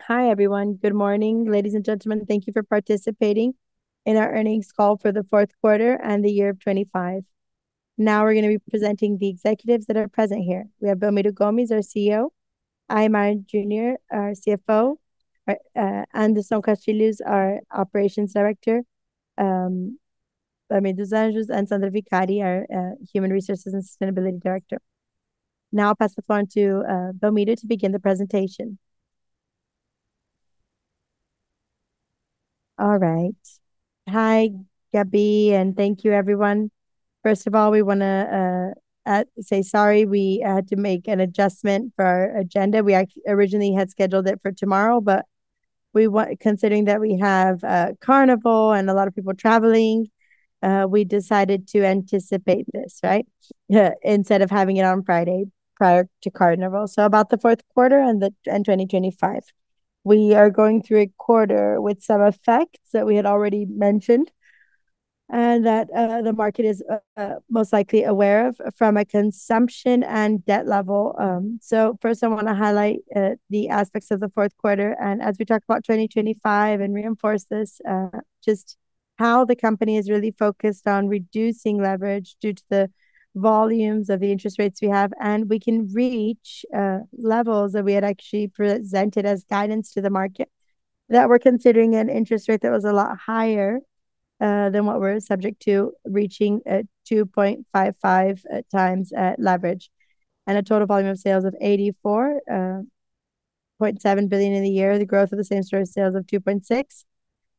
Hi, everyone. Good morning, ladies and gentlemen. Thank you for participating in our earnings call for the fourth quarter and the year of 2025. Now we're going to be presenting the executives that are present here. We have Belmiro Gomes, our CEO, Aymar Giglio Jr., our CFO, Anderson Castilho, our Operations Director, Wlamir dos Anjos, and Sandra Vicari, our Human Resources and Sustainability Director. Now I'll pass the phone to Belmiro to begin the presentation. All right. Hi, Gabby, and thank you, everyone. First of all, we want to say sorry, we had to make an adjustment for our agenda. We originally had scheduled it for tomorrow, but considering that we have a carnival and a lot of people traveling, we decided to anticipate this, right? Instead of having it on Friday, prior to Carnival. So about the fourth quarter and 2025. We are going through a quarter with some effects that we had already mentioned, and that, the market is, most likely aware of from a consumption and debt level. So first, I want to highlight, the aspects of the fourth quarter, and as we talk about 2025 and reinforce this, just how the company is really focused on reducing leverage due to the volumes of the interest rates we have. We can reach levels that we had actually presented as guidance to the market, that we're considering an interest rate that was a lot higher than what we're subject to, reaching a 2.55x leverage, and a total volume of sales of 84.7 billion in the year, the growth of same-store sales of 2.6%,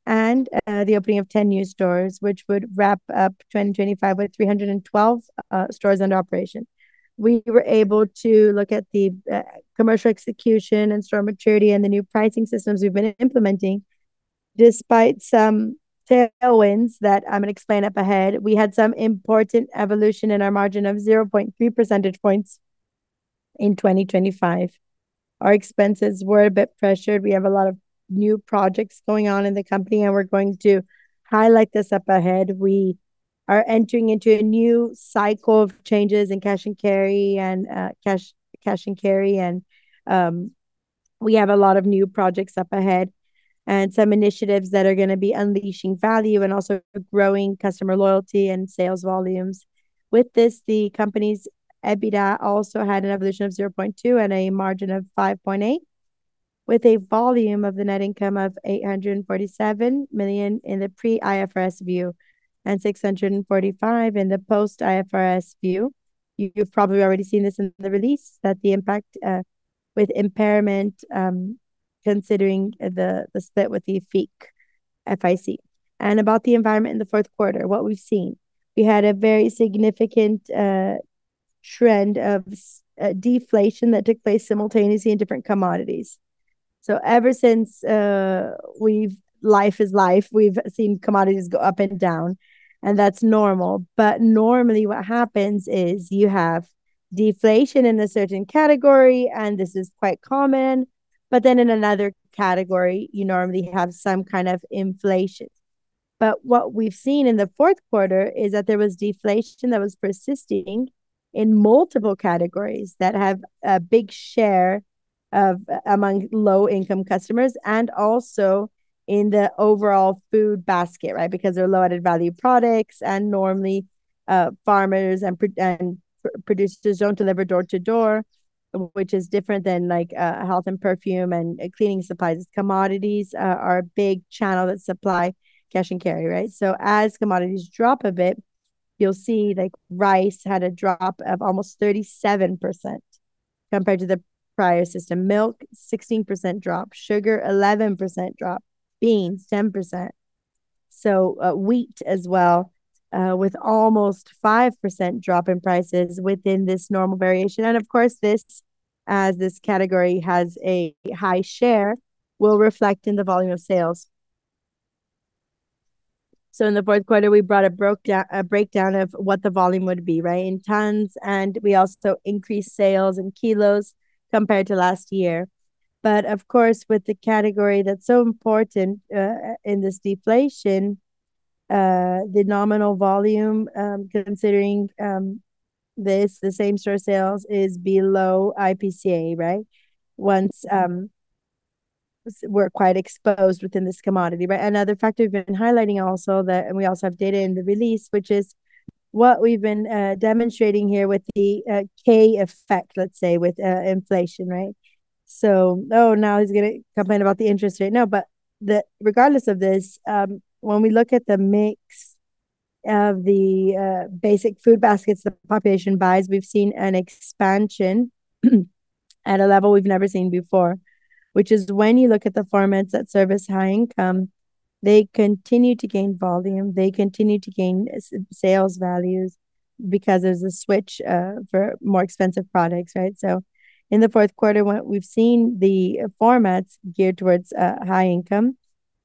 and the opening of 10 new stores, which would wrap up 2025 with 312 stores under operation. We were able to look at the commercial execution and store maturity and the new pricing systems we've been implementing. Despite some tailwinds that I'm going to explain up ahead, we had some important evolution in our margin of 0.3 percentage points in 2025. Our expenses were a bit pressured. We have a lot of new projects going on in the company, and we're going to highlight this up ahead. We are entering into a new cycle of changes in cash and carry, and cash and carry, and we have a lot of new projects up ahead, and some initiatives that are going to be unleashing value and also growing customer loyalty and sales volumes. With this, the company's EBITDA also had an evolution of 0.2 and a margin of 5.8%, with a volume of the net income of 847 million in the pre-IFRS view, and 645 million in the post-IFRS view. You've probably already seen this in the release, that the impact with impairment considering the split with the FIC. About the environment in the fourth quarter, what we've seen. We had a very significant trend of deflation that took place simultaneously in different commodities. So ever since, we've life is life, we've seen commodities go up and down, and that's normal. But normally, what happens is you have deflation in a certain category, and this is quite common, but then in another category, you normally have some kind of inflation. But what we've seen in the fourth quarter is that there was deflation that was persisting in multiple categories that have a big share of among low-income customers and also in the overall food basket, right? Because they're low added value products, and normally, farmers and producers don't deliver door to door, which is different than, like, health and perfume and cleaning supplies. Commodities are a big channel that supply cash and carry, right? So as commodities drop a bit, you'll see, like, rice had a drop of almost 37% compared to the prior system. Milk, 16% drop, sugar, 11% drop, beans, 10%. So, wheat as well, with almost 5% drop in prices within this normal variation. And of course, this, as this category has a high share, will reflect in the volume of sales. So in the fourth quarter, we brought a breakdown of what the volume would be, right, in tons, and we also increased sales in kilos compared to last year. But of course, with the category that's so important, in this deflation, the nominal volume, considering this, the same store sales, is below IPCA, right? Once, we're quite exposed within this commodity, right? Another factor we've been highlighting also that, and we also have data in the release, which is what we've been demonstrating here with the K Effect, let's say, with inflation, right? So, "Oh, now he's going to complain about the interest rate." No, but the, regardless of this, when we look at the mix of the basic food baskets the population buys, we've seen an expansion at a level we've never seen before, which is when you look at the formats that service high income, they continue to gain volume, they continue to gain sales values because there's a switch for more expensive products, right? So in the fourth quarter, we've seen the formats geared towards high income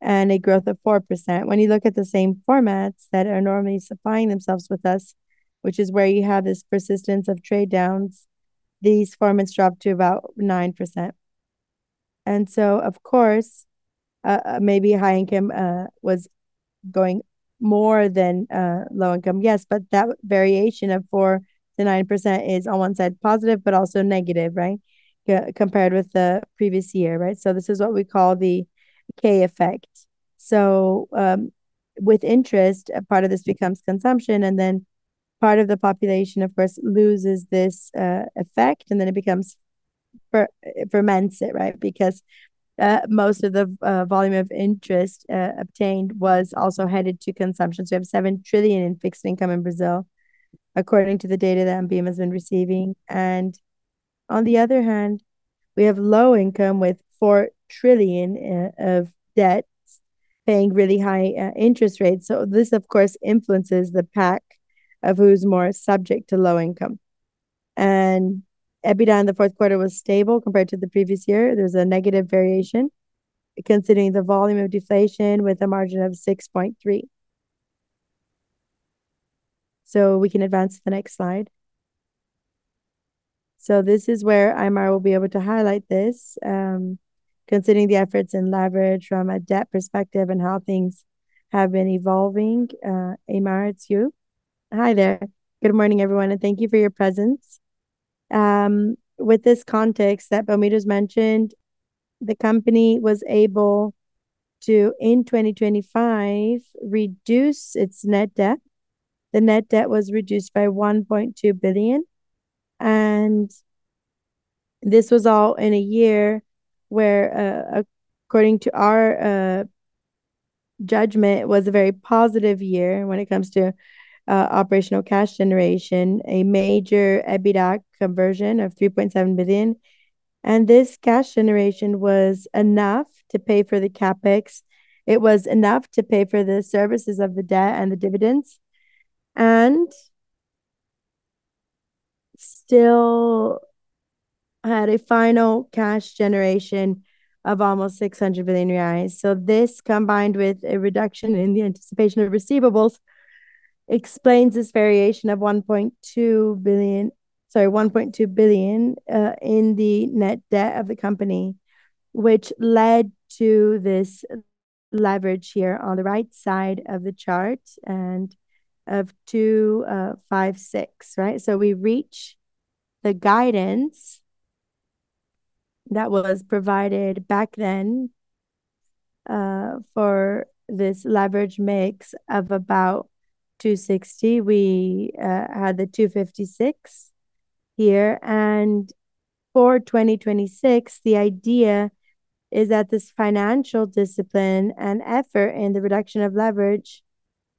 and a growth of 4%. When you look at the same formats that are normally supplying themselves with us, which is where you have this persistence of trade downs, these formats dropped to about 9%. And so, of course, maybe high income was going more than low income. Yes, but that variation of 4%-9% is on one side positive, but also negative, right? Yeah, compared with the previous year, right? So this is what we call the K effect. So, with interest, a part of this becomes consumption, and then part of the population, of course, loses this effect, and then it becomes formats it, right? Because, most of the volume of interest obtained was also headed to consumption. So we have 7 trillion in fixed income in Brazil, according to the data that ANBIMA has been receiving. On the other hand, we have low income with 4 trillion of debt paying really high interest rates. So this, of course, influences the pack of who's more subject to low income. EBITDA in the fourth quarter was stable compared to the previous year. There's a negative variation, considering the volume of deflation with a margin of 6.3%. So we can advance to the next slide. So this is where Aymar will be able to highlight this, considering the efforts in leverage from a debt perspective and how things have been evolving. Aymar, it's you. Hi there. Good morning, everyone, and thank you for your presence. With this context that Belmiro's mentioned, the company was able to, in 2025, reduce its net debt. The net debt was reduced by 1.2 billion, and this was all in a year where, according to our judgment, was a very positive year when it comes to operational cash generation, a major EBITDA conversion of 3.7 billion. This cash generation was enough to pay for the CapEx. It was enough to pay for the services of the debt and the dividends, and still had a final cash generation of almost 600 billion reais. This, combined with a reduction in the anticipation of receivables, explains this variation of 1.2 billion, sorry, 1.2 billion, in the net debt of the company, which led to this leverage here on the right side of the chart and of 2.56, right? So we reach the guidance that was provided back then, for this leverage mix of about 2.60. We had the 2.56 here. And for 2026, the idea is that this financial discipline and effort in the reduction of leverage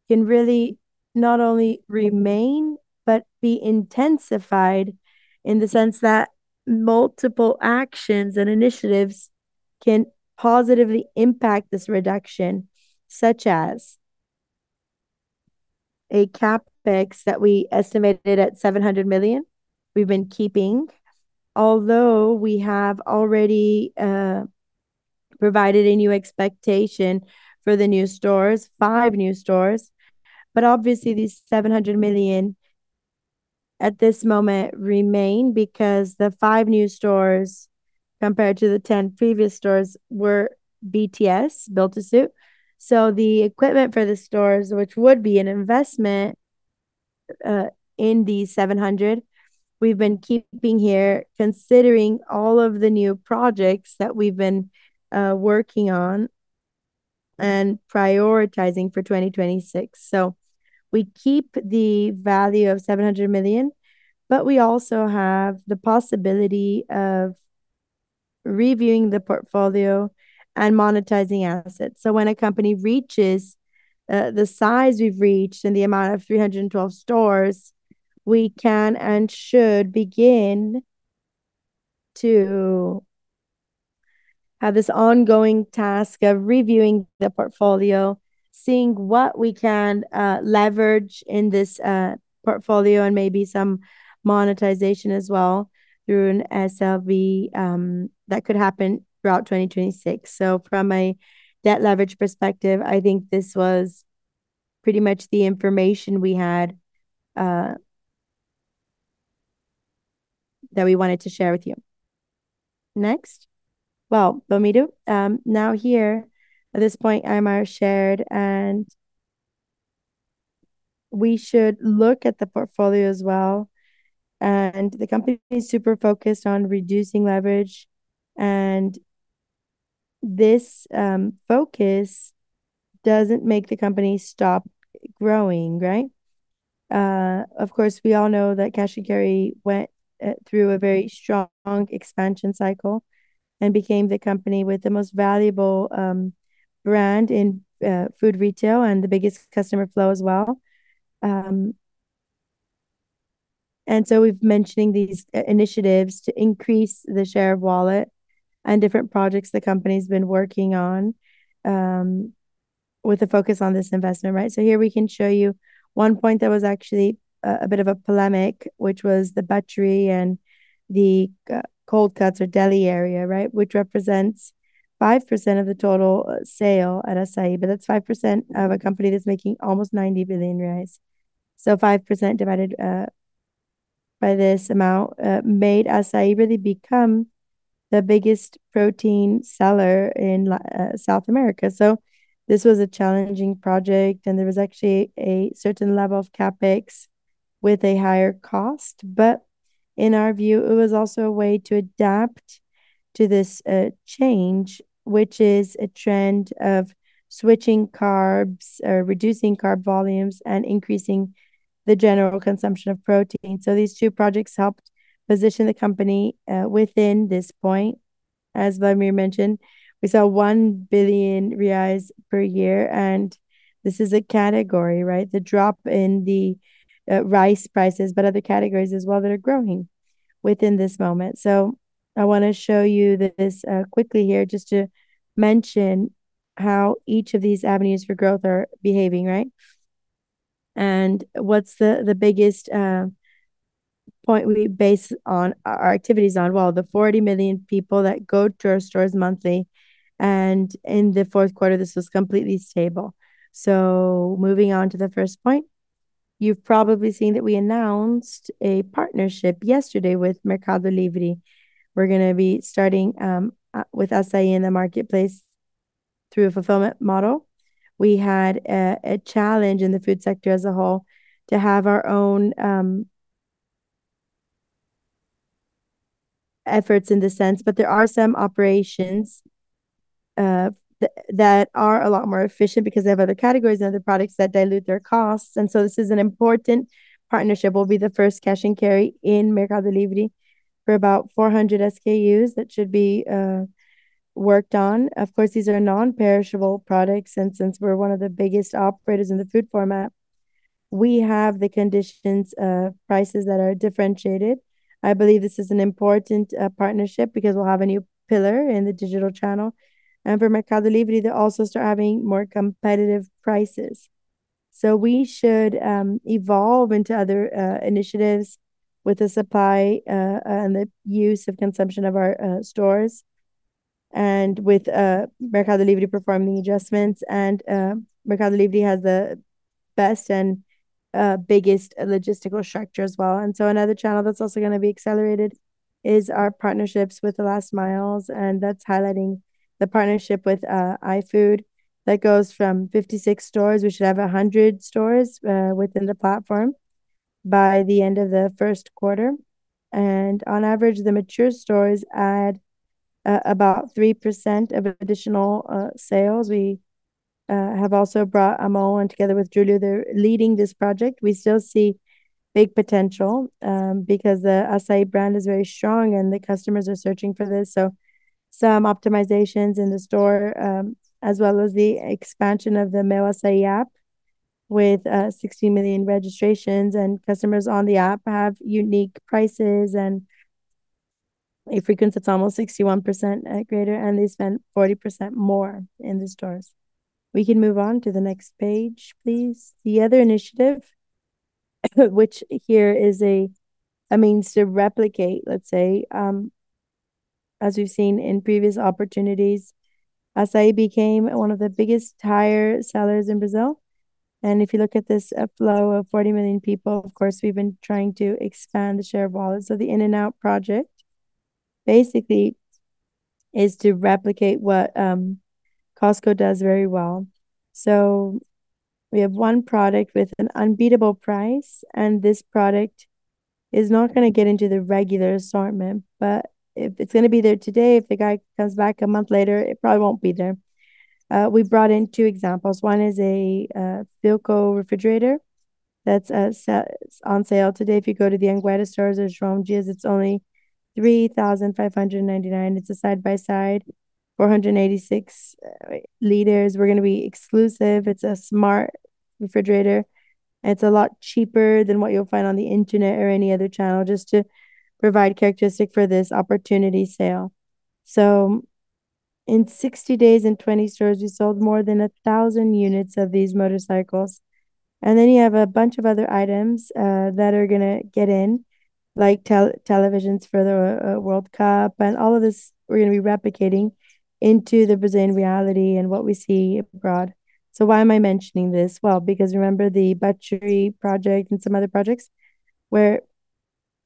can really not only remain, but be intensified in the sense that multiple actions and initiatives can positively impact this reduction, such as a CapEx that we estimated at 700 million. We've been keeping, although we have already provided a new expectation for the new stores, five new stores. But obviously, these 700 million at this moment remain because the five new stores, compared to the 10 previous stores, were BTS, built to suit. So the equipment for the stores, which would be an investment in the 700, we've been keeping here, considering all of the new projects that we've been working on and prioritizing for 2026. So we keep the value of 700 million, but we also have the possibility of reviewing the portfolio and monetizing assets. So when a company reaches the size we've reached and the amount of 312 stores, we can and should begin to have this ongoing task of reviewing the portfolio, seeing what we can leverage in this portfolio, and maybe some monetization as well through an SLB. That could happen throughout 2026. So from a debt leverage perspective, I think this was pretty much the information we had that we wanted to share with you. Next. Well, Belmiro, now here, at this point, Aymar shared and we should look at the portfolio as well. And the company is super focused on reducing leverage, and this focus doesn't make the company stop growing, right? Of course, we all know that cash and carry went through a very strong expansion cycle and became the company with the most valuable brand in food retail and the biggest customer flow as well. And so we've mentioning these initiatives to increase the share of wallet and different projects the company's been working on with a focus on this investment, right? So here we can show you one point that was actually a bit of a polemic, which was the butchery and the cold cuts or deli area, right? Which represents 5% of the total sale at Assaí, but that's 5% of a company that's making almost 90 billion reais. So 5% divided by this amount made Assaí really become the biggest protein seller in South America. So this was a challenging project, and there was actually a certain level of CapEx with a higher cost. But in our view, it was also a way to adapt to this change, which is a trend of switching carbs or reducing carb volumes and increasing the general consumption of protein. So these two projects helped position the company within this point. As Wlamir mentioned, we saw 1 billion reais per year, and this is a category, right? The drop in the rice prices, but other categories as well that are growing within this moment. So I want to show you this, quickly here, just to mention how each of these avenues for growth are behaving, right? And what's the biggest point we base on our activities on? Well, the 40 million people that go to our stores monthly, and in the fourth quarter, this was completely stable. So moving on to the first point, you've probably seen that we announced a partnership yesterday with Mercado Livre. We're going to be starting with Assaí in the marketplace through a fulfillment model. We had a challenge in the food sector as a whole to have our own efforts in this sense, but there are some operations that are a lot more efficient because they have other categories and other products that dilute their costs. This is an important partnership, will be the first cash and carry in Mercado Libre for about 400 SKUs. That should be worked on. Of course, these are non-perishable products, and since we're one of the biggest operators in the food format, we have the conditions, prices that are differentiated. I believe this is an important partnership because we'll have a new pillar in the digital channel. And for Mercado Livre, they'll also start having more competitive prices. So we should evolve into other initiatives with the supply and the use of consumption of our stores, and with Mercado Libre performing adjustments. And Mercado Libre has the best and biggest logistical structure as well. Another channel that's also going to be accelerated is our partnerships with the Last Miles, and that's highlighting the partnership with iFood. That goes from 56 stores. We should have 100 stores within the platform by the end of the first quarter. On average, the mature stores add about 3% of additional sales. We have also brought Malu in together with Julio. They're leading this project. We still see big potential because the Assaí brand is very strong, and the customers are searching for this. Some optimizations in the store as well as the expansion of the Meu Assaí app, with 60 million registrations, and customers on the app have unique prices and a frequency that's almost 61% greater, and they spend 40% more in the stores. We can move on to the next page, please. The other initiative, which here is a means to replicate, let's say, as we've seen in previous opportunities, Assaí became one of the biggest tire sellers in Brazil. And if you look at this flow of 40 million people, of course, we've been trying to expand the share of wallet. So the In & Out project basically is to replicate what Costco does very well. So we have one product with an unbeatable price, and this product is not going to get into the regular assortment, but if it's going to be there today, if the guy comes back a month later, it probably won't be there. We brought in two examples. One is a Philco refrigerator that's on sale today. If you go to the Anhanguera stores or Jerônimo, it's only 3,599. It's a side-by-side, 486 liters. We're going to be exclusive. It's a smart refrigerator. It's a lot cheaper than what you'll find on the internet or any other channel, just to provide characteristic for this opportunity sale. So in 60 days, in 20 stores, we sold more than 1,000 units of these motorcycles. And then you have a bunch of other items that are going to get in, like televisions for the World Cup. And all of this, we're going to be replicating into the Brazilian reality and what we see abroad. So why am I mentioning this? Well, because remember the butchery project and some other projects where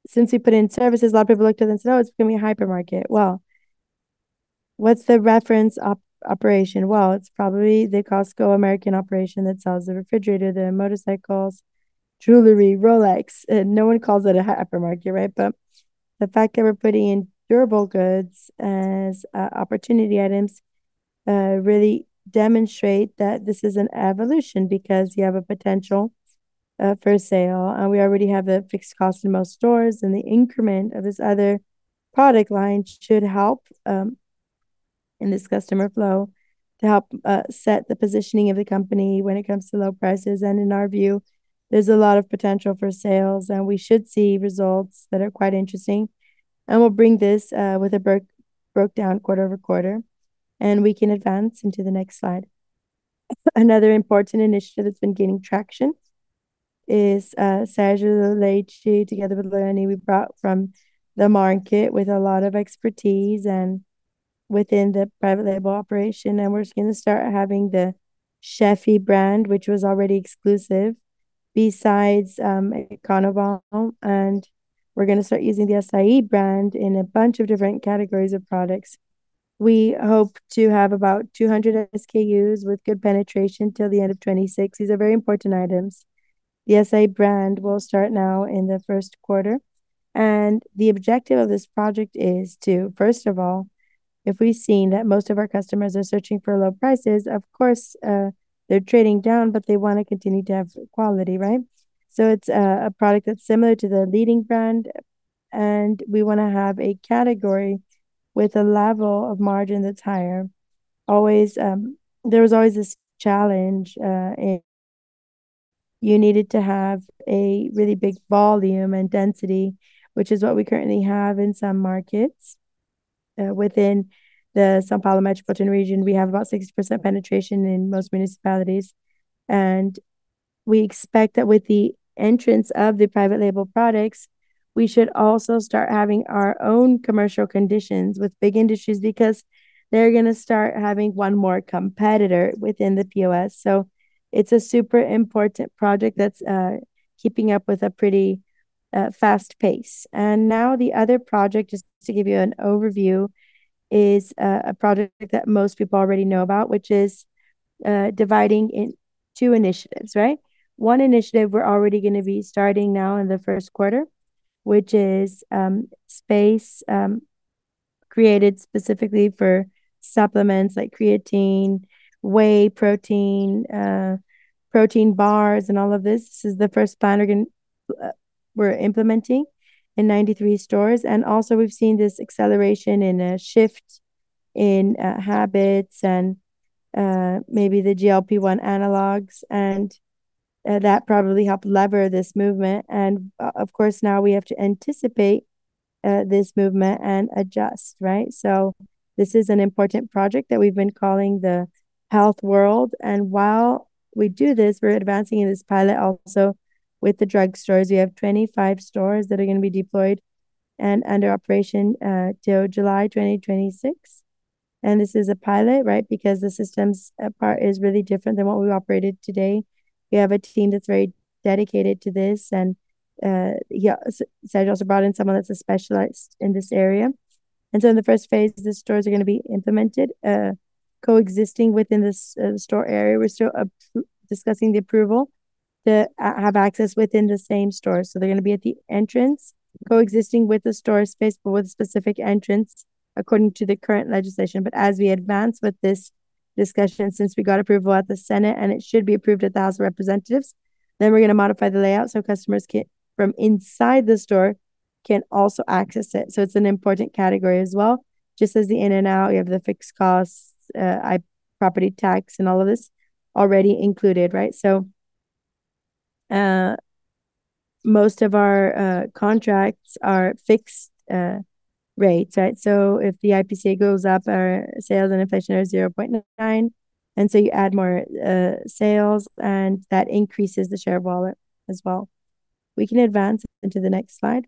since we put in services, a lot of people looked at it and said, "Oh, it's going to be a hypermarket." Well, what's the reference operation? Well, it's probably the Costco American operation that sells the refrigerator, the motorcycles, jewelry, Rolex. No one calls it a hypermarket, right? But the fact that we're putting in durable goods as opportunity items really demonstrate that this is an evolution because you have a potential for sale, and we already have a fixed cost in most stores, and the increment of this other product line should help in this customer flow, to help set the positioning of the company when it comes to low prices. And in our view, there's a lot of potential for sales, and we should see results that are quite interesting. We'll bring this with a broken down quarter-over-quarter, and we can advance into the next slide. Another important initiative that's been gaining traction is Sérgio Leite, together with Leni, we brought from the market with a lot of expertise within the private label operation, and we're just going to start having the Sheffy brand, which was already exclusive, besides Econobom, and we're going to start using the Assaí brand in a bunch of different categories of products. We hope to have about 200 SKUs with good penetration till the end of 2026. These are very important items. The S.A. brand will start now in the first quarter, and the objective of this project is to, first of all, if we've seen that most of our customers are searching for low prices, of course, they're trading down, but they want to continue to have quality, right? So it's a product that's similar to the leading brand, and we want to have a category with a level of margin that's higher. Always, there was always this challenge, in you needed to have a really big volume and density, which is what we currently have in some markets. Within the São Paulo metropolitan region, we have about 60% penetration in most municipalities, and we expect that with the entrance of the private label products, we should also start having our own commercial conditions with big industries because they're going to start having one more competitor within the POS. So it's a super important project that's keeping up with a pretty fast pace. And now the other project, just to give you an overview, is a project that most people already know about, which is dividing in two initiatives, right? One initiative, we're already going to be starting now in the first quarter, which is space created specifically for supplements like creatine, whey protein, protein bars, and all of this. This is the first plan we're implementing in 93 stores, and also we've seen this acceleration in a shift in habits and maybe the GLP-1 Analogues, and that probably helped lever this movement. Of course, now we have to anticipate this movement and adjust, right? This is an important project that we've been calling the Health World, and while we do this, we're advancing in this pilot also with the drugstores. We have 25 stores that are going to be deployed and under operation till July 2026. This is a pilot, right? Because the systems part is really different than what we've operated today. We have a team that's very dedicated to this, and yeah, Sergio also brought in someone that's a specialist in this area. And so in the first phase, the stores are going to be implemented, coexisting within this, store area. We're still discussing the approval to, have access within the same store. So they're going to be at the entrance, coexisting with the stores, faced with specific entrance, according to the current legislation. But as we advance with this discussion, since we got approval at the Senate, and it should be approved at the House of Representatives, then we're going to modify the layout so customers can, from inside the store, can also access it. So it's an important category as well. Just as the in and out, you have the fixed costs, IP, property tax, and all of this already included, right? So, most of our, contracts are fixed, rates, right? So if the IPCA goes up, our sales and inflation are 0.9%, and so you add more sales, and that increases the share of wallet as well. We can advance into the next slide.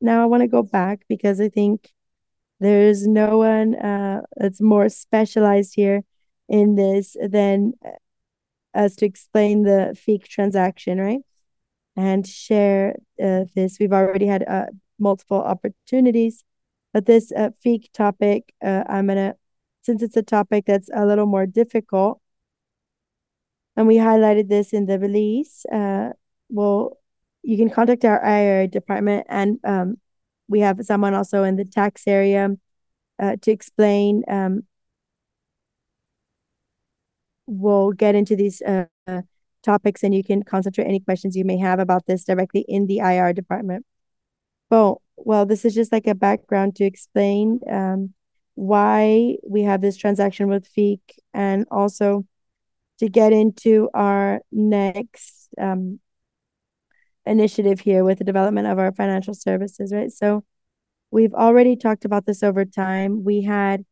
Now, I want to go back because I think there's no one that's more specialized here in this than us to explain the FIC transaction, right? And share this. We've already had multiple opportunities, but this FIC topic, I'm going to—since it's a topic that's a little more difficult, and we highlighted this in the release, well, you can contact our IR department, and we have someone also in the tax area to explain... We'll get into these topics, and you can concentrate any questions you may have about this directly in the IR department. Well, well, this is just like a background to explain why we have this transaction with FIC and also to get into our next initiative here with the development of our financial services, right? So we've already talked about this over time. We had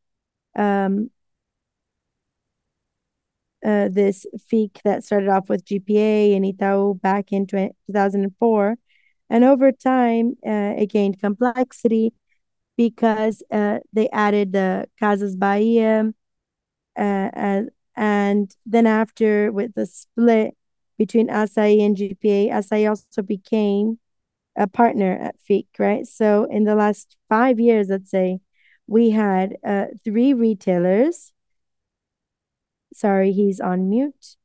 this FIC that started off with GPA and Itaú back in 2004, and over time, it gained complexity because they added the Casas Bahia, and then after, with the split between SAE and GPA, SAE also became a partner at FIC, right? So in the last five years, I'd say, we had three retailers... Sorry, he's on mute.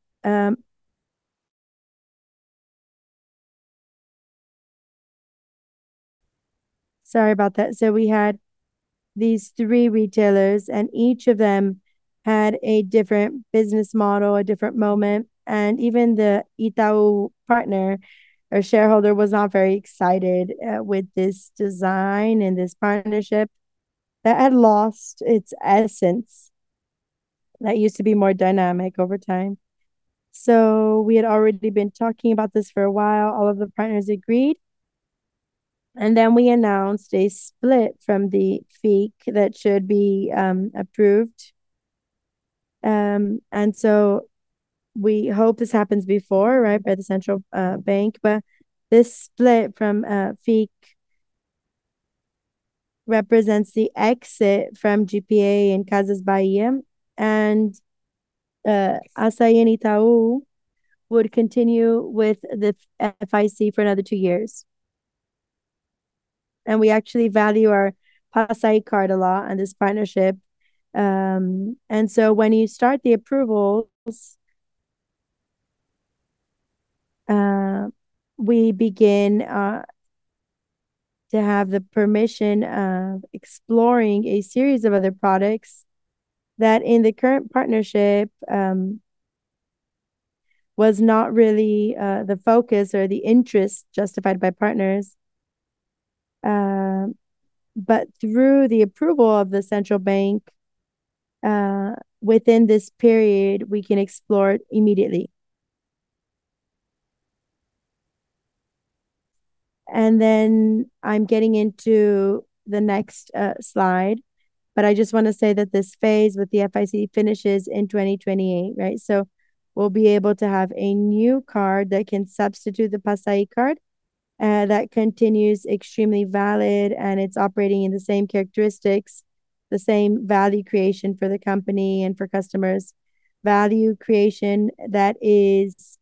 Sorry about that. So we had these three retailers, and each of them had a different business model, a different moment, and even the Itaú partner or shareholder was not very excited with this design and this partnership that had lost its essence. That used to be more dynamic over time. So we had already been talking about this for a while. All of the partners agreed, and then we announced a split from the FIC that should be approved. And so we hope this happens before, right, by the central bank. But this split from FIC represents the exit from GPA and Casas Bahia, and Assaí and Itaú would continue with the FIC for another two years. And we actually value our Passaí Card a lot and this partnership. And so when you start the approvals, we begin to have the permission of exploring a series of other products that in the current partnership, was not really, the focus or the interest justified by partners. But through the approval of the central bank, within this period, we can explore it immediately. And then I'm getting into the next, slide, but I just want to say that this phase with the FIC finishes in 2028, right? So we'll be able to have a new card that can substitute the Passaí card, that continues extremely valid, and it's operating in the same characteristics, the same value creation for the company and for customers. Value creation, that is,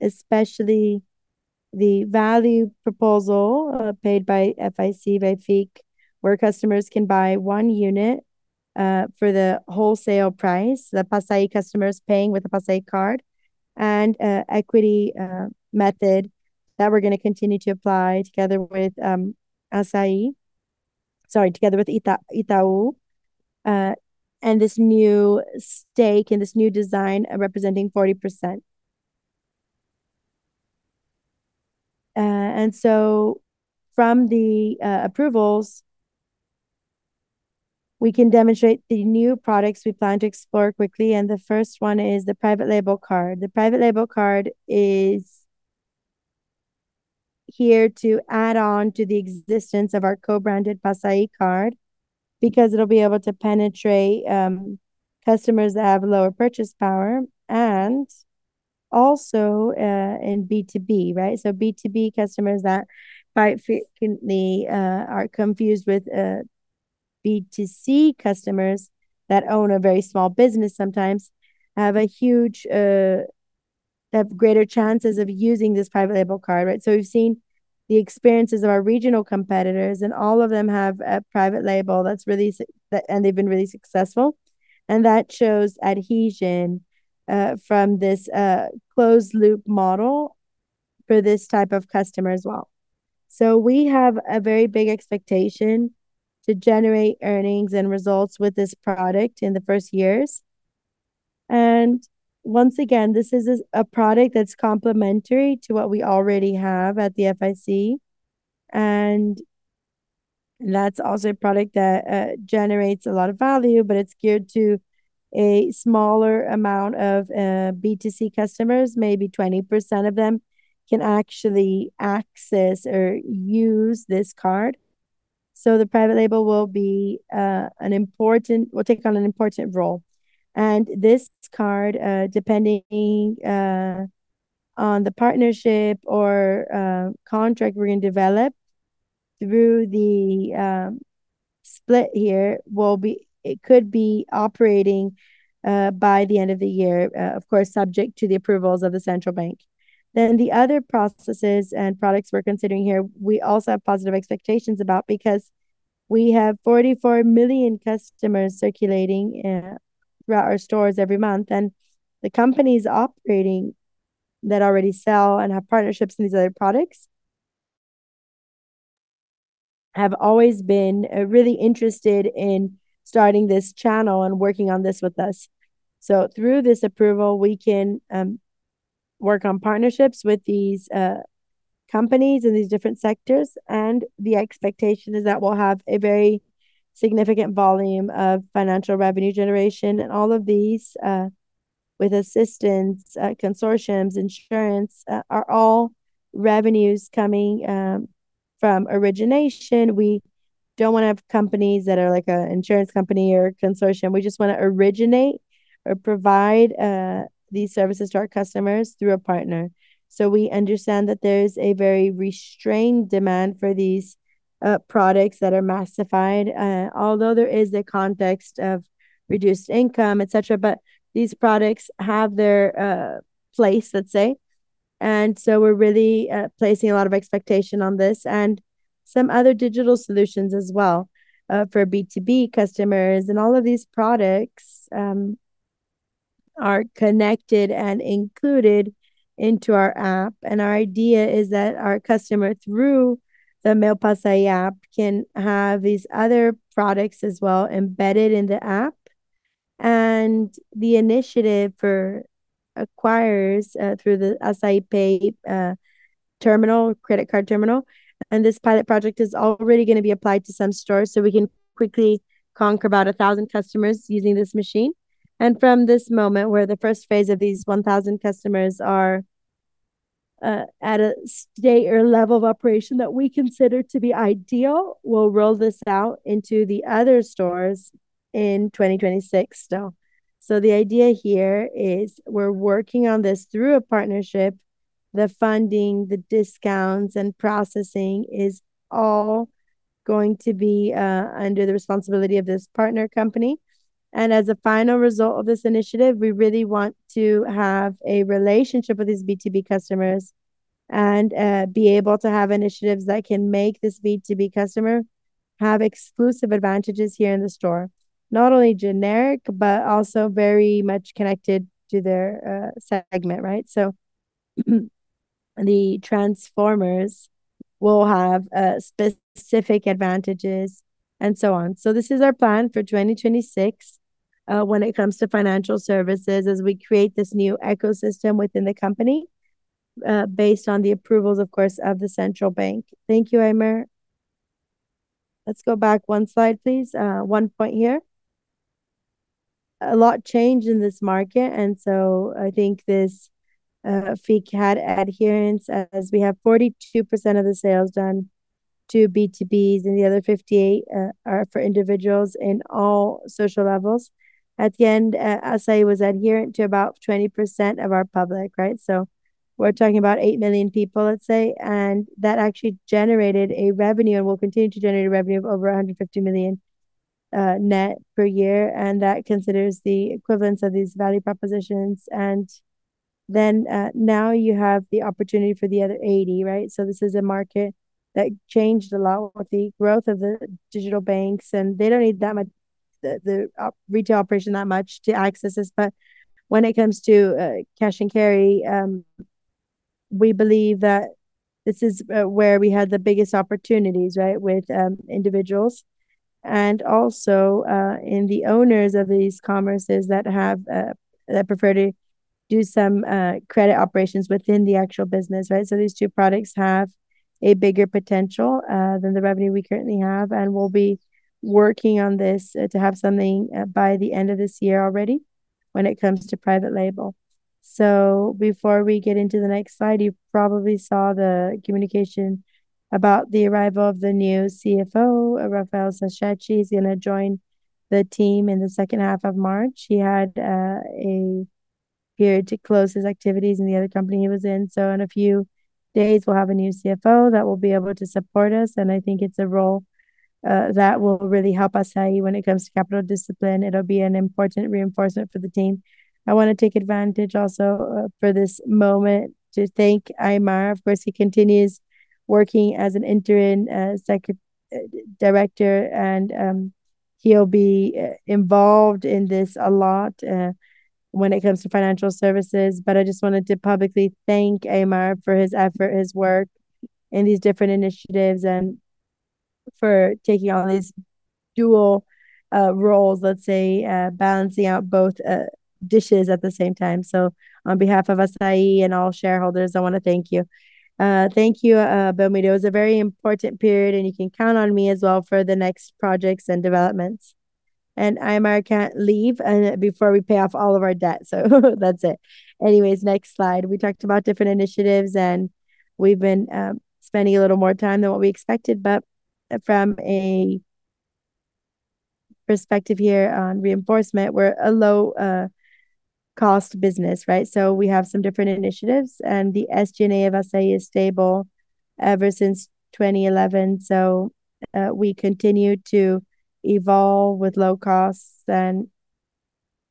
especially the value proposal paid by FIC, where customers can buy one unit for the wholesale price, the Passaí customers paying with the Passaí card, and an equity method that we're going to continue to apply together with Itaú, and this new stake and this new design representing 40%. And so from the approvals, we can demonstrate the new products we plan to explore quickly, and the first one is the private label card. The private label card is here to add on to the existence of our co-branded Passaí card, because it'll be able to penetrate customers that have lower purchase power and also in B2B, right? So B2B customers that quite frequently are confused with B2C customers, that own a very small business sometimes, have greater chances of using this private label card, right? So we've seen the experiences of our regional competitors, and all of them have a private label that's really and they've been really successful. And that shows adhesion from this closed-loop model for this type of customer as well. So we have a very big expectation to generate earnings and results with this product in the first years. And once again, this is a product that's complementary to what we already have at the FIC, and that's also a product that generates a lot of value, but it's geared to a smaller amount of B2C customers. Maybe 20% of them can actually access or use this card. So the private label will take on an important role. This card, depending on the partnership or contract we're going to develop through the split here, could be operating by the end of the year, of course, subject to the approvals of the central bank. The other processes and products we're considering here, we also have positive expectations about, because we have 44 million customers circulating throughout our stores every month. The companies operating that already sell and have partnerships in these other products have always been really interested in starting this channel and working on this with us. So through this approval, we can work on partnerships with these companies in these different sectors, and the expectation is that we'll have a very significant volume of financial revenue generation. And all of these, with assistance, consortiums, insurance, are all revenues coming from origination. We don't want to have companies that are like an insurance company or consortium. We just want to originate or provide these services to our customers through a partner. So we understand that there's a very restrained demand for these products that are massified, although there is the context of reduced income, et cetera. But these products have their place, let's say, and so we're really placing a lot of expectation on this and some other digital solutions as well for B2B customers. All of these products are connected and included into our app. Our idea is that our customer, through the Meu Assaí app, can have these other products as well embedded in the app. The initiative for acquirers through the Assaí Pay terminal, credit card terminal, and this pilot project is already going to be applied to some stores, so we can quickly conquer about 1,000 customers using this machine. From this moment, where the first phase of these 1,000 customers are at a state or level of operation that we consider to be ideal, we'll roll this out into the other stores in 2026. So the idea here is we're working on this through a partnership. The funding, the discounts, and processing is all going to be under the responsibility of this partner company. As a final result of this initiative, we really want to have a relationship with these B2B customers and be able to have initiatives that can make this B2B customer have exclusive advantages here in the store. Not only generic, but also very much connected to their segment, right? So, the transformers will have specific advantages, and so on. So this is our plan for 2026, when it comes to financial services, as we create this new ecosystem within the company, based on the approvals, of course, of the central bank. Thank you, Aymar. Let's go back one slide, please. One point here. A lot changed in this market, and so I think this FIC had adherence, as we have 42% of the sales done to B2Bs, and the other 58 are for individuals in all social levels. At the end, Assaí was adherent to about 20% of our public, right? So we're talking about 8 million people, let's say, and that actually generated a revenue and will continue to generate a revenue of over 150 million net per year, and that considers the equivalence of these value propositions. And then, now you have the opportunity for the other 80, right? So this is a market that changed a lot with the growth of the digital banks, and they don't need that much the retail operation that much to access this. But when it comes to cash and carry, we believe that this is where we had the biggest opportunities, right? With individuals and also in the owners of these commerces that have that prefer to do some credit operations within the actual business, right? So these two products have a bigger potential than the revenue we currently have, and we'll be working on this to have something by the end of this year already when it comes to private label. So before we get into the next slide, you probably saw the communication about the arrival of the new CFO, Rafael Sachete. He's going to join the team in the second half of March. He had a period to close his activities in the other company he was in. So in a few days, we'll have a new CFO that will be able to support us, and I think it's a role that will really help Assaí when it comes to capital discipline. It'll be an important reinforcement for the team. I want to take advantage also for this moment to thank Aymar. Of course, he continues working as an interim second director, and he'll be involved in this a lot when it comes to financial services. But I just wanted to publicly thank Aymar for his effort, his work in these different initiatives, and for taking on these dual roles, let's say, balancing out both dishes at the same time. So on behalf of Assaí and all shareholders, I want to thank you. Thank you, Belmiro. It was a very important period, and you can count on me as well for the next projects and developments. And Aymar can't leave before we pay off all of our debt, so that's it. Anyways, next slide. We talked about different initiatives, and we've been spending a little more time than what we expected, but from a perspective here on reinforcement, we're a low cost business, right? So we have some different initiatives, and the SG&A of Assaí is stable ever since 2011. So we continue to evolve with low costs, and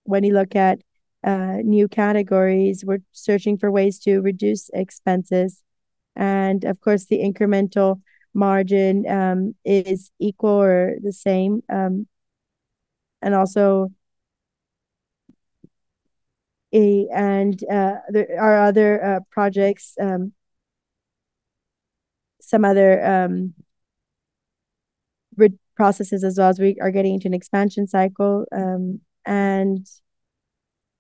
when you look at new categories, we're searching for ways to reduce expenses. And of course, the incremental margin is equal or the same. And also, and, there are other projects, some other processes as well as we are getting into an expansion cycle, and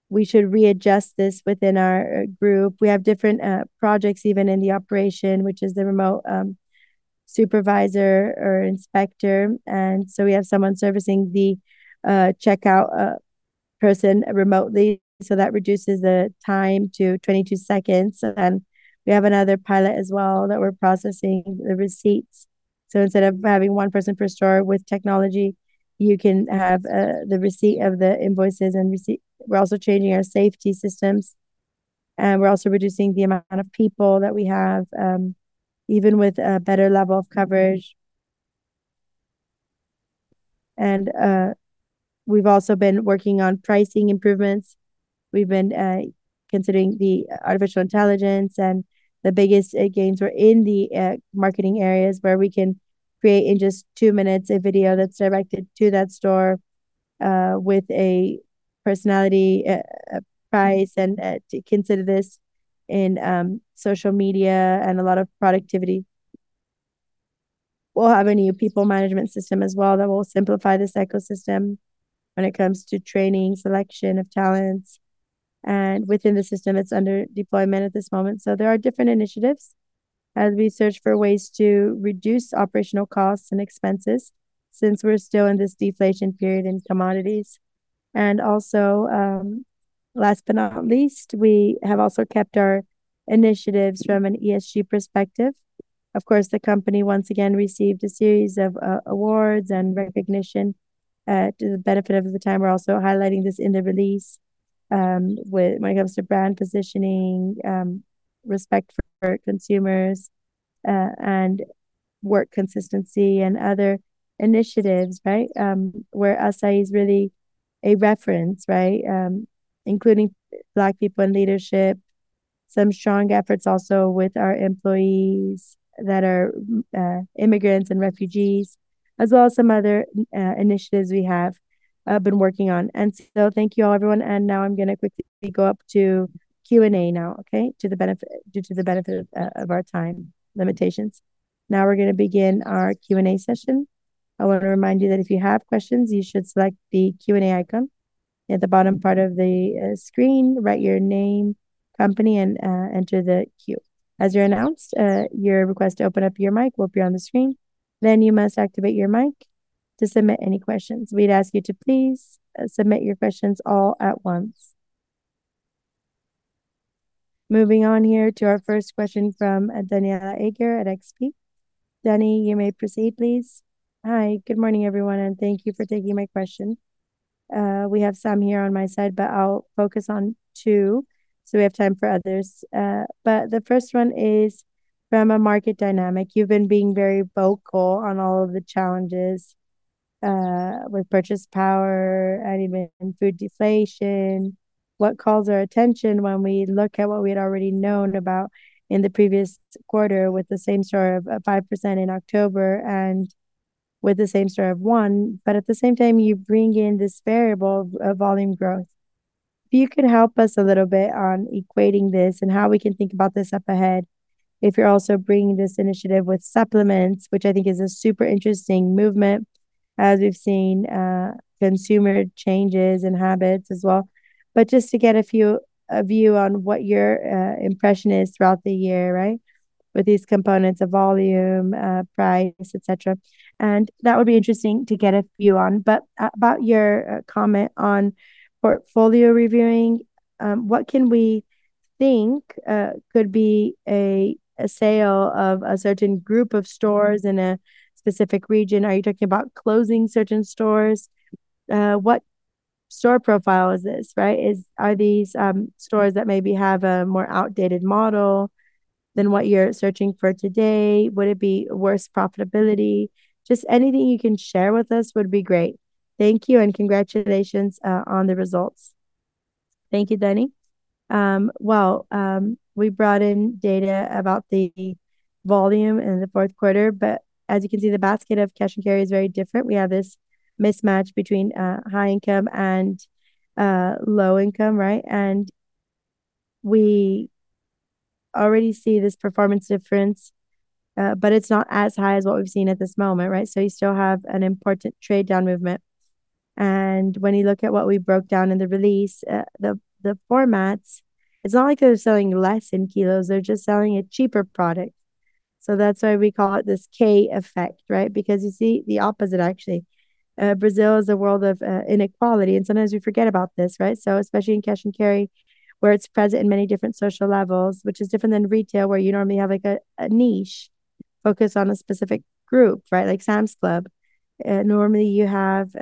we should readjust this within our group. We have different projects, even in the operation, which is the remote supervisor or inspector, and so we have someone servicing the checkout person remotely, so that reduces the time to 22 seconds. And we have another pilot as well, that we're processing the receipts. So instead of having one person per store with technology, you can have the receipt of the invoices and receipt. We're also changing our safety systems, and we're also reducing the amount of people that we have, even with a better level of coverage. And we've also been working on pricing improvements. We've been considering the artificial intelligence, and the biggest gains were in the marketing areas, where we can create, in just two minutes, a video that's directed to that store, with a personality, price, and to consider this in social media and a lot of productivity. We'll have a new people management system as well that will simplify this ecosystem when it comes to training, selection of talents, and within the system, it's under deployment at this moment. So there are different initiatives as we search for ways to reduce operational costs and expenses, since we're still in this deflation period in commodities. And also, last but not least, we have also kept our initiatives from an ESG perspective. Of course, the company once again received a series of awards and recognition to the benefit of the time. We're also highlighting this in the release, with when it comes to brand positioning, respect for consumers, and work consistency and other initiatives, right? Where Assaí is really a reference, right? Including Black people in leadership, some strong efforts also with our employees that are immigrants and refugees, as well as some other initiatives we have been working on. And so thank you all, everyone, and now I'm going to quickly go up to Q&A now, okay? To the benefit, due to the benefit of our time limitations. Now we're going to begin our Q&A session. I want to remind you that if you have questions, you should select the Q&A icon at the bottom part of the screen, write your name, company, and enter the queue. As you're announced, your request to open up your mic will appear on the screen, then you must activate your mic to submit any questions. We'd ask you to please, submit your questions all at once. Moving on here to our first question from, Danniela Eiger at XP. Danny, you may proceed, please. Hi. Good morning, everyone, and thank you for taking my question. We have some here on my side, but I'll focus on two, so we have time for others. But the first one is, from a market dynamic, you've been being very vocal on all of the challenges, with purchase power and even food deflation. What calls our attention when we look at what we had already known about in the previous quarter with the same-store of 5% in October and with the same-store of 1%, but at the same time, you bring in this variable of volume growth. If you could help us a little bit on equating this and how we can think about this up ahead, if you're also bringing this initiative with supplements, which I think is a super interesting movement, as we've seen consumer changes in habits as well. But just to get a view on what your impression is throughout the year, right? With these components of volume, price, et cetera. And that would be interesting to get a view on. But about your comment on portfolio reviewing, what can we think could be a sale of a certain group of stores in a specific region? Are you talking about closing certain stores? What store profile is this, right? Are these stores that maybe have a more outdated model than what you're searching for today? Would it be worse profitability? Just anything you can share with us would be great. Thank you, and congratulations on the results. Thank you, Danny. Well, we brought in data about the volume in the fourth quarter, but as you can see, the basket of cash and carry is very different. We have this mismatch between high income and low income, right? And we already see this performance difference, but it's not as high as what we've seen at this moment, right? So you still have an important trade down movement. When you look at what we broke down in the release, the formats, it's not like they're selling less in kilos, they're just selling a cheaper product. So that's why we call it this K Effect, right? Because you see the opposite, actually. Brazil is a world of inequality, and sometimes we forget about this, right? So especially in cash and carry, where it's present in many different social levels, which is different than retail, where you normally have, like, a niche focused on a specific group, right? Like Sam's Club. Normally you have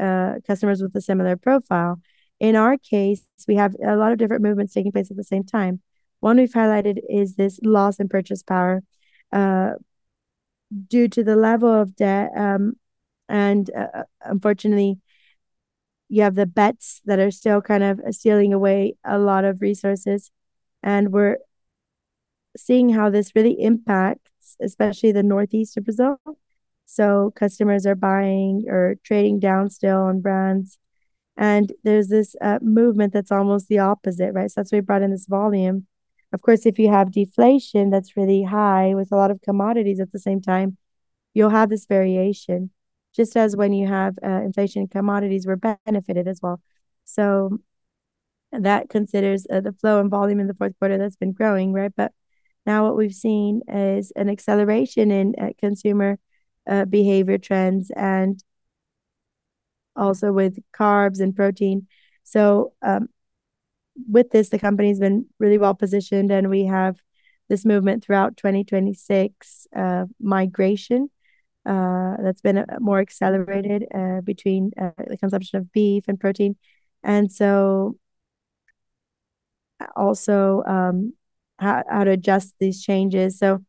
customers with a similar profile. In our case, we have a lot of different movements taking place at the same time. One we've highlighted is this loss in purchasing power, due to the level of debt, and unfortunately, you have the debts that are still kind of eating away a lot of resources, and we're seeing how this really impacts, especially the Northeast Brazil. So customers are buying or trading down still on brands, and there's this movement that's almost the opposite, right? So that's why we brought in this volume. Of course, if you have deflation, that's really high with a lot of commodities at the same time, you'll have this variation. Just as when you have inflation, commodities were benefited as well. So that considers the flow and volume in the fourth quarter that's been growing, right? But now what we've seen is an acceleration in consumer behavior trends and also with carbs and protein. So, with this, the company's been really well positioned, and we have this movement throughout 2026 migration that's been more accelerated between the consumption of beef and protein. And so, also, how to adjust these changes. So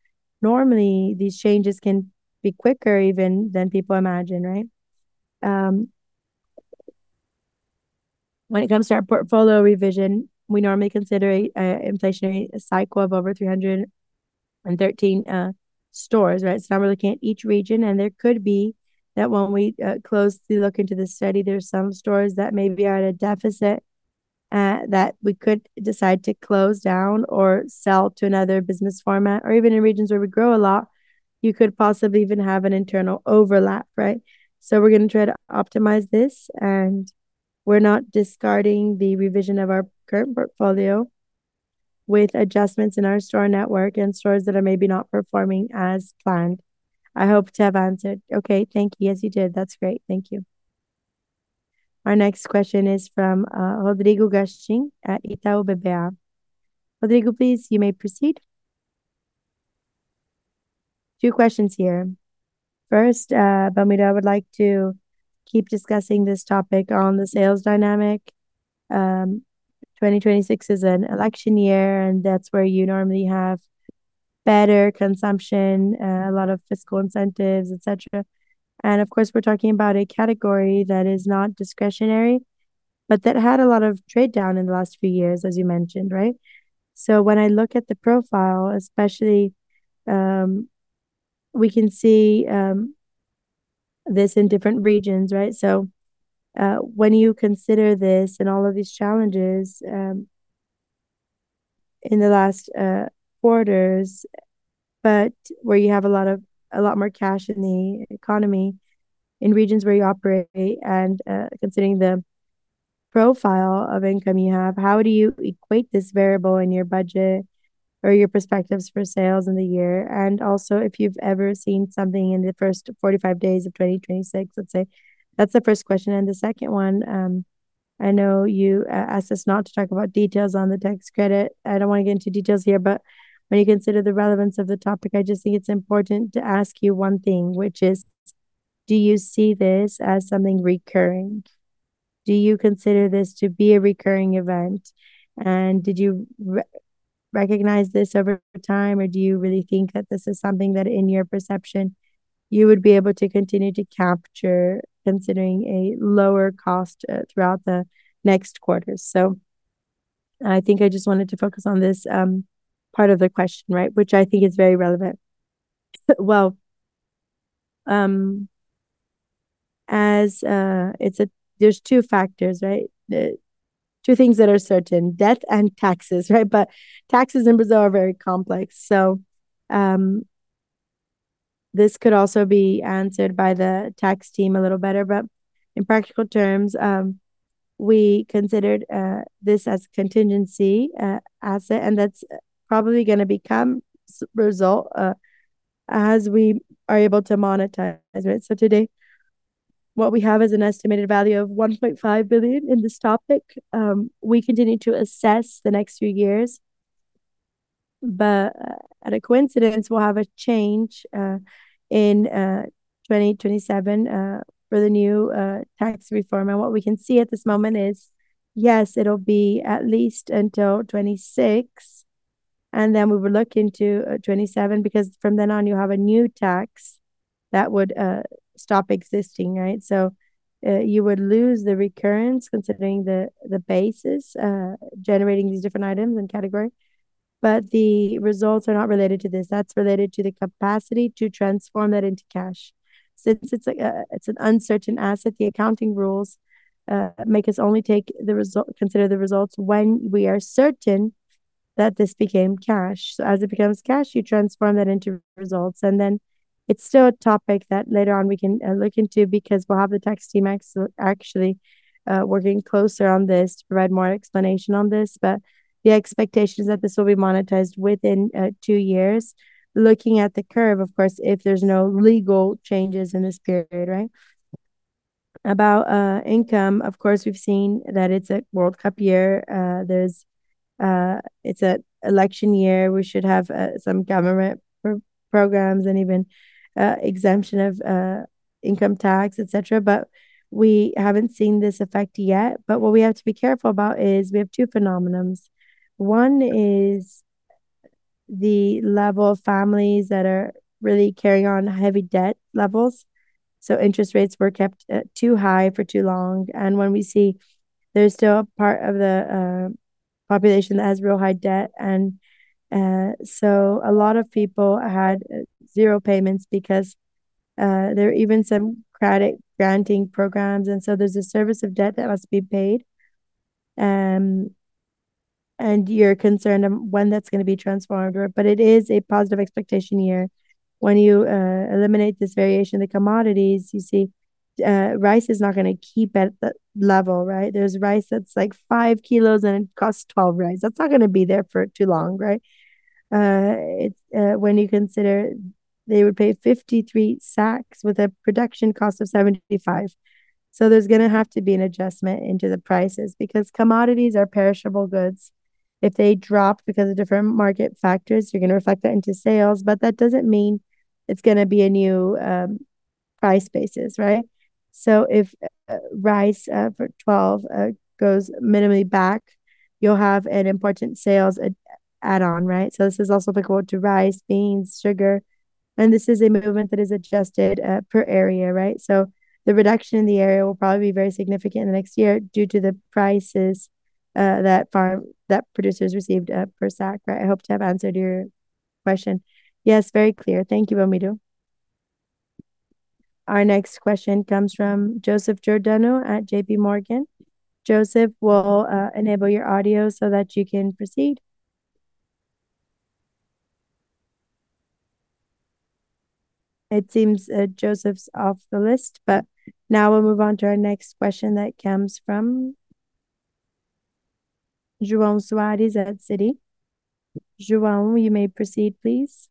normally, these changes can be quicker even than people imagine, right? When it comes to our portfolio revision, we normally consider a inflationary cycle of over 313 stores, right? So now we're looking at each region, and there could be that when we closely look into this study, there are some stores that may be at a deficit that we could decide to close down or sell to another business format, or even in regions where we grow a lot, you could possibly even have an internal overlap, right? So we're going to try to optimize this. We're not discarding the revision of our current portfolio with adjustments in our store network and stores that are maybe not performing as planned. I hope to have answered. Okay, thank you. Yes, you did. That's great. Thank you. Our next question is from Rodrigo Gastim at Itaú BBA. Rodrigo, please, you may proceed. Two questions here. First, Belmiro, I would like to keep discussing this topic on the sales dynamic. 2026 is an election year, and that's where you normally have better consumption, a lot of fiscal incentives, et cetera. And of course, we're talking about a category that is not discretionary, but that had a lot of trade down in the last few years, as you mentioned, right? So when I look at the profile, especially, we can see this in different regions, right? So, when you consider this and all of these challenges, in the last quarters, but where you have a lot of - a lot more cash in the economy, in regions where you operate and, considering the profile of income you have, how do you equate this variable in your budget or your perspectives for sales in the year? And also, if you've ever seen something in the first 45 days of 2026, let's say. That's the first question, and the second one, I know you asked us not to talk about details on the tax credit. I don't want to get into details here, but when you consider the relevance of the topic, I just think it's important to ask you one thing, which is: Do you see this as something recurring? Do you consider this to be a recurring event, and did you re-recognize this over time, or do you really think that this is something that, in your perception, you would be able to continue to capture, considering a lower cost throughout the next quarters? So I think I just wanted to focus on this part of the question, right, which I think is very relevant. Well, as it's a there's two factors, right? The two things that are certain, death and taxes, right? But taxes in Brazil are very complex, so this could also be answered by the tax team a little better. But in practical terms, we considered this as contingency asset, and that's probably gonna become result as we are able to monetize it. So today, what we have is an estimated value of 1.5 billion in this topic. We continue to assess the next few years, but at a coincidence, we'll have a change in 2027 for the new tax reform. And what we can see at this moment is, yes, it'll be at least until 2026, and then we will look into 2027, because from then on, you have a new tax that would stop existing, right? So you would lose the recurrence considering the basis generating these different items and category. But the results are not related to this. That's related to the capacity to transform that into cash. Since it's an uncertain asset, the accounting rules make us only consider the results when we are certain that this became cash. So as it becomes cash, you transform that into results, and then it's still a topic that later on we can look into because we'll have the tax team actually working closer on this to provide more explanation on this. But the expectation is that this will be monetized within two years. Looking at the curve, of course, if there's no legal changes in this period, right? About income, of course, we've seen that it's a World Cup year. There's it's an election year. We should have some government programs and even exemption of income tax, et cetera, et cetera, but we haven't seen this effect yet. But what we have to be careful about is we have two phenomenons. One is the level of families that are really carrying on heavy debt levels, so interest rates were kept too high for too long. When we see there's still a part of the population that has real high debt, and so a lot of people had zero payments because there are even some credit granting programs, and so there's a service of debt that must be paid. You're concerned of when that's going to be transformed, but it is a positive expectation year. When you eliminate this variation, the commodities, you see, rice is not going to keep at that level, right? There's rice that's like 5 kilos, and it costs 12. That's not going to be there for too long, right? It's, when you consider they would pay 53 sacks with a production cost of 75. So there's gonna have to be an adjustment into the prices because commodities are perishable goods. If they drop because of different market factors, you're going to reflect that into sales, but that doesn't mean it's gonna be a new, price basis, right? So if, rice, for 12, goes minimally back, you'll have an important sales add-on, right? So this is also applicable to rice, beans, sugar, and this is a movement that is adjusted, per area, right? So the reduction in the area will probably be very significant in the next year due to the prices, that farm, that producers received, per sack, right. I hope to have answered your question. Yes, very clear. Thank you, Belmiro. Our next question comes from Joseph Giordano at JPMorgan. Joseph, we'll enable your audio so that you can proceed. It seems Joseph's off the list, but now we'll move on to our next question that comes from João Soares at Citi. João, you may proceed, please.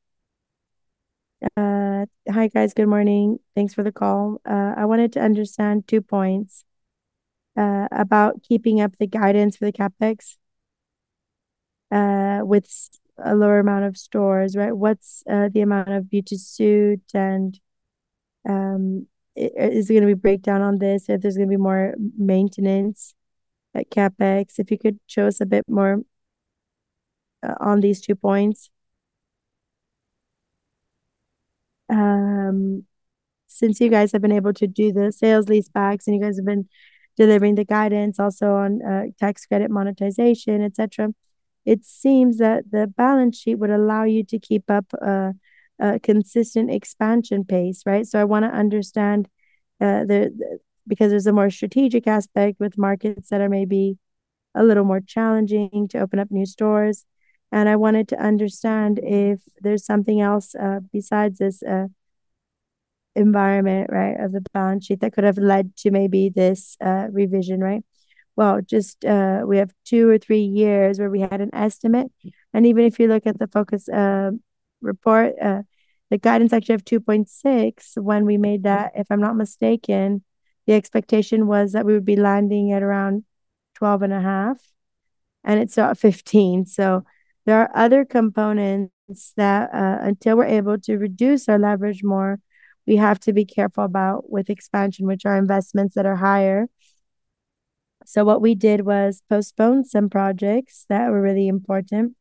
Hi, guys. Good morning. Thanks for the call. I wanted to understand two points about keeping up the guidance for the CapEx with a lower amount of stores, right? What's the amount of BTS? And is there going to be breakdown on this, if there's going to be more maintenance at CapEx? If you could show us a bit more on these two points. Since you guys have been able to do the sales leasebacks and you guys have been delivering the guidance also on, tax credit monetization, et cetera, it seems that the balance sheet would allow you to keep up, a consistent expansion pace, right? So I want to understand, because there's a more strategic aspect with markets that are maybe a little more challenging to open up new stores, and I wanted to understand if there's something else, besides this, environment, right, of the balance sheet that could have led to maybe this, revision, right? Well, just, we have two or three years where we had an estimate, and even if you look at the Focus report, the guidance actually of 2.6 when we made that, if I'm not mistaken, the expectation was that we would be landing at around 12.5, and it's now 15. So there are other components that, until we're able to reduce our leverage more, we have to be careful about with expansion, which are investments that are higher. So what we did was postpone some projects that were really important.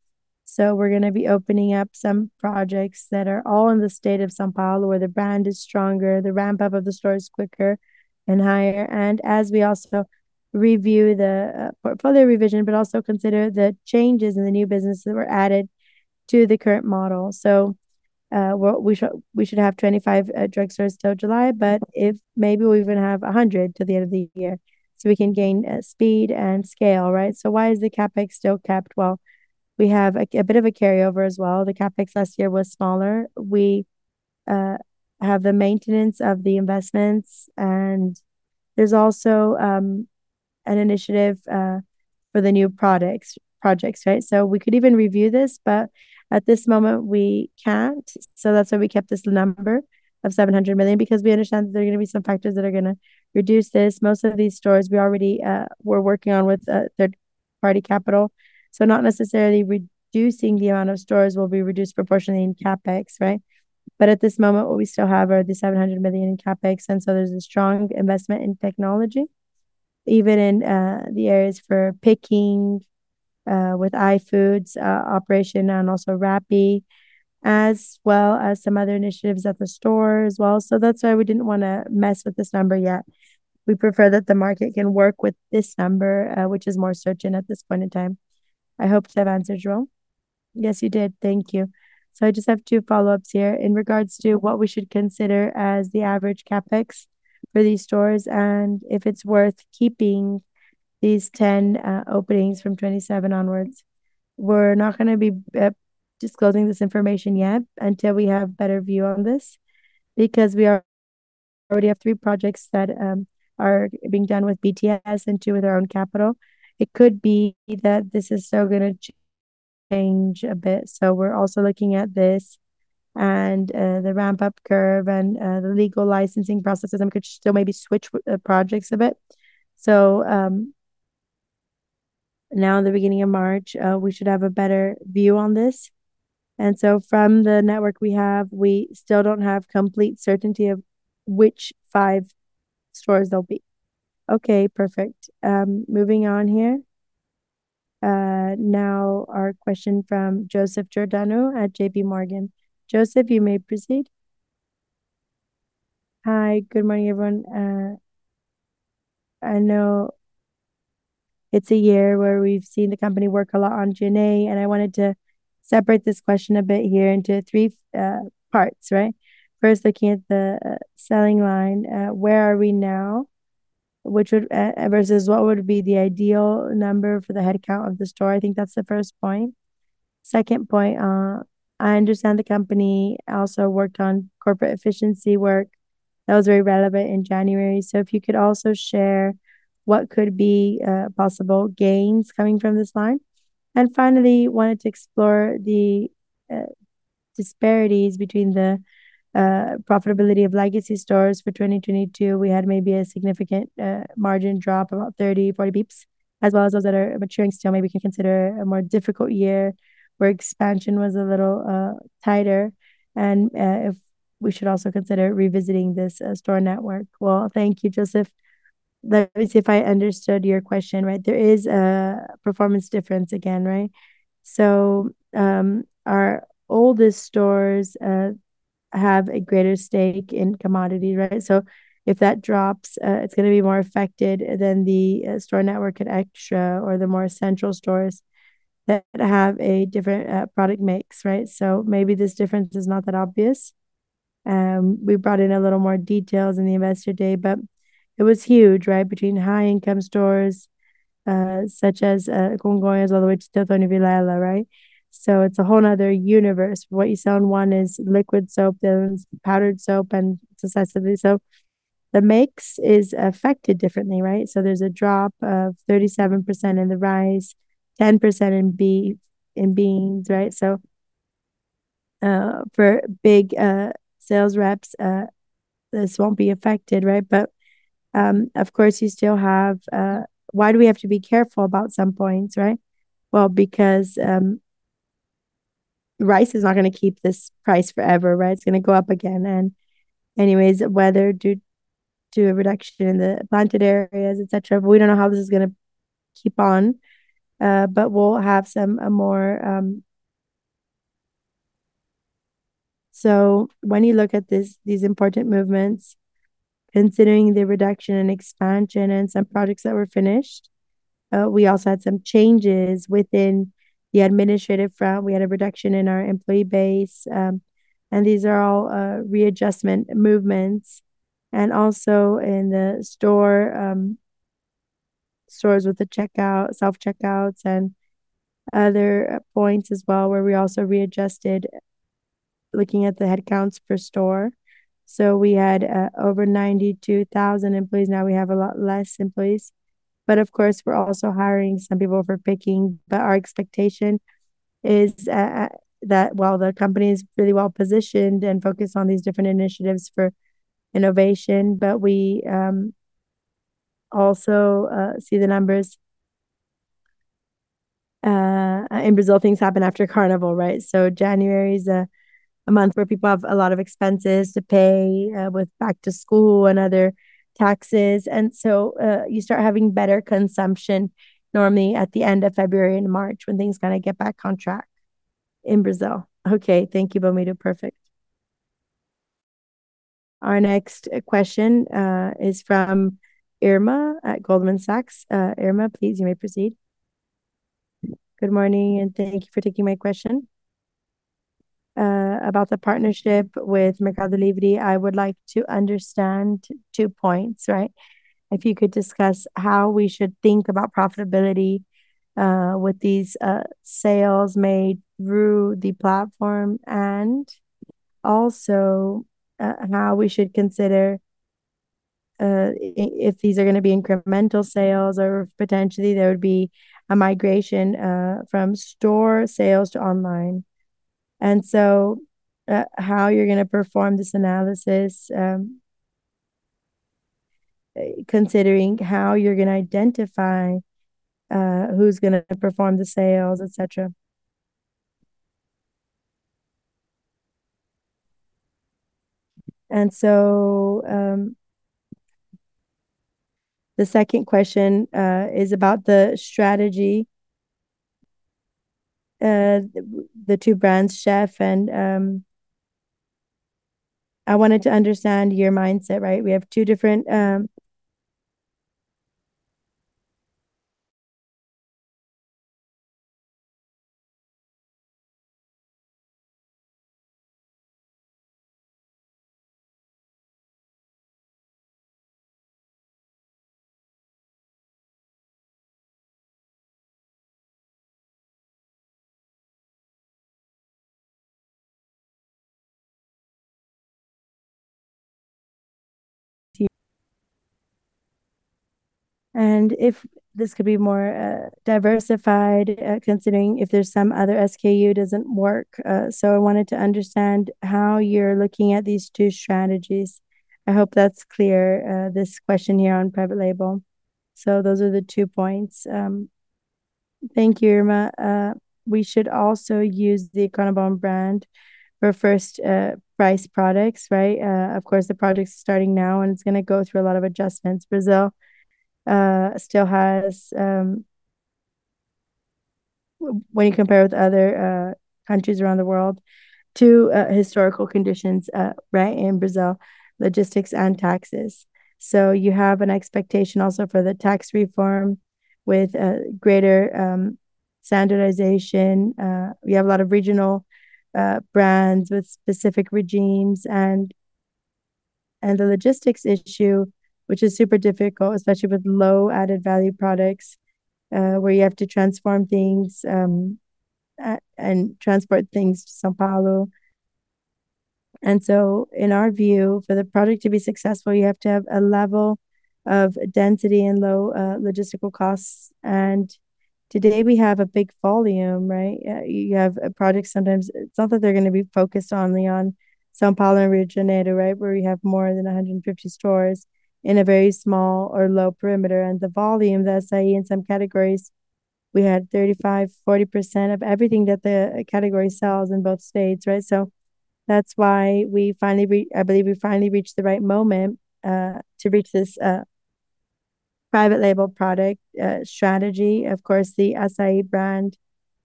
So we're going to be opening up some projects that are all in the state of São Paulo, where the brand is stronger, the ramp-up of the store is quicker and higher. As we also review the portfolio revision, but also consider the changes in the new business that were added to the current model. So, we should have 25 drugstores till July, but if maybe we even have 100 till the end of the year, so we can gain speed and scale, right? So why is the CapEx still capped? Well, we have a bit of a carryover as well. The CapEx last year was smaller. We have the maintenance of the investments, and there's also an initiative for the new projects, right? So we could even review this, but at this moment, we can't. So that's why we kept this number of 700 million, because we understand that there are going to be some factors that are going to reduce this. Most of these stores, we already, we're working on with, third-party capital. So not necessarily reducing the amount of stores will be reduced proportionally in CapEx, right? But at this moment, what we still have are the 700 million in CapEx, and so there's a strong investment in technology, even in, the areas for picking, with iFood's operation, and also Rappi, as well as some other initiatives at the store as well. So that's why we didn't want to mess with this number yet. We prefer that the market can work with this number, which is more certain at this point in time. I hope that answers, João. Yes, you did. Thank you. So I just have two follow-ups here. In regards to what we should consider as the average CapEx for these stores, and if it's worth keeping these 10 openings from 2027 onwards. We're not going to be disclosing this information yet until we have better view on this, because we already have 3 projects that are being done with BTS and 2 with our own capital. It could be that this is still going to change a bit, so we're also looking at this and the ramp-up curve and the legal licensing processes, and we could still maybe switch projects a bit. So, now in the beginning of March, we should have a better view on this. And so from the network we have, we still don't have complete certainty of which five stores they'll be. Okay, perfect. Moving on here. Now our question from Joseph Giordano at JP Morgan. Joseph, you may proceed. Hi. Good morning, everyone. I know it's a year where we've seen the company work a lot on G&A, and I wanted to separate this question a bit here into three parts, right? First, looking at the selling line, where are we now? Which would as versus what would be the ideal number for the head count of the store? I think that's the first point. Second point, I understand the company also worked on corporate efficiency work. That was very relevant in January. So if you could also share what could be possible gains coming from this line. And finally, wanted to explore the disparities between the profitability of legacy stores for 2022. We had maybe a significant margin drop, about 30-40 bps, as well as those that are maturing still. Maybe we can consider a more difficult year, where expansion was a little tighter, and if we should also consider revisiting this store network. Well, thank you, Joseph. Let me see if I understood your question, right? There is a performance difference again, right? So, our oldest stores have a greater stake in commodity, right? So if that drops, it's going to be more affected than the store network at Extra or the more central stores that have a different product mix, right? So maybe this difference is not that obvious. We brought in a little more details in the Investor Day, but... It was huge, right? Between high-income stores, such as Congonhas, all the way to Teotônio Vilela, right? So it's a whole other universe. What you sell in one is liquid soap, then powdered soap, and successively. So the mix is affected differently, right? So there's a drop of 37% in the rice, 10% in beans, in beans, right? So, for big sales reps, this won't be affected, right? But, of course, you still have, why do we have to be careful about some points, right? Well, because, rice is not going to keep this price forever, right? It's going to go up again, and anyways, whether due to a reduction in the planted areas, et cetera. We don't know how this is going to keep on, but we'll have some, a more... So when you look at these, these important movements, considering the reduction in expansion and some projects that were finished, we also had some changes within the administrative front. We had a reduction in our employee base, and these are all, readjustment movements, and also in the store, stores with the checkout, self-checkouts and other points as well, where we also readjusted, looking at the headcounts per store. So we had, over 92,000 employees. Now we have a lot less employees, but of course, we're also hiring some people for picking. But our expectation is, that while the company is really well-positioned and focused on these different initiatives for innovation, but we, also, see the numbers. In Brazil, things happen after Carnival, right? So January is a month where people have a lot of expenses to pay, with back to school and other taxes, and so, you start having better consumption, normally at the end of February and March, when things kind of get back on track in Brazil. Okay, thank you, Belmiro. Perfect. Our next question is from Irma at Goldman Sachs. Irma, please, you may proceed. Good morning, and thank you for taking my question. About the partnership with Mercado Livre, I would like to understand two points, right? If you could discuss how we should think about profitability with these sales made through the platform, and also, how we should consider if these are going to be incremental sales or if potentially there would be a migration from store sales to online. And so, how you're going to perform this analysis, considering how you're going to identify, who's going to perform the sales, et cetera. And so, the second question is about the strategy, the two brands, Sheffy and... I wanted to understand your mindset, right? We have two different, and if this could be more diversified, considering if there's some other SKU doesn't work. So I wanted to understand how you're looking at these two strategies. I hope that's clear, this question here on private label. So those are the two points. Thank you, Irma. We should also use the Econobom brand for first, price products, right? Of course, the product is starting now, and it's going to go through a lot of adjustments. Brazil still has, when you compare with other countries around the world, two historical conditions, right, in Brazil, logistics and taxes. So you have an expectation also for the tax reform with greater standardization. We have a lot of regional brands with specific regimes and the logistics issue, which is super difficult, especially with low added value products, where you have to transform things and transport things to São Paulo. And so in our view, for the product to be successful, you have to have a level of density and low logistical costs. And today, we have a big volume, right? You have a product, sometimes—it's not that they're going to be focused only on São Paulo and Rio de Janeiro, right, where we have more than 150 stores in a very small or low perimeter. And the volume, the Assaí in some categories, we had 35%-40% of everything that the category sells in both states, right? So that's why I believe we finally reached the right moment to reach this private label product strategy. Of course, the Assaí brand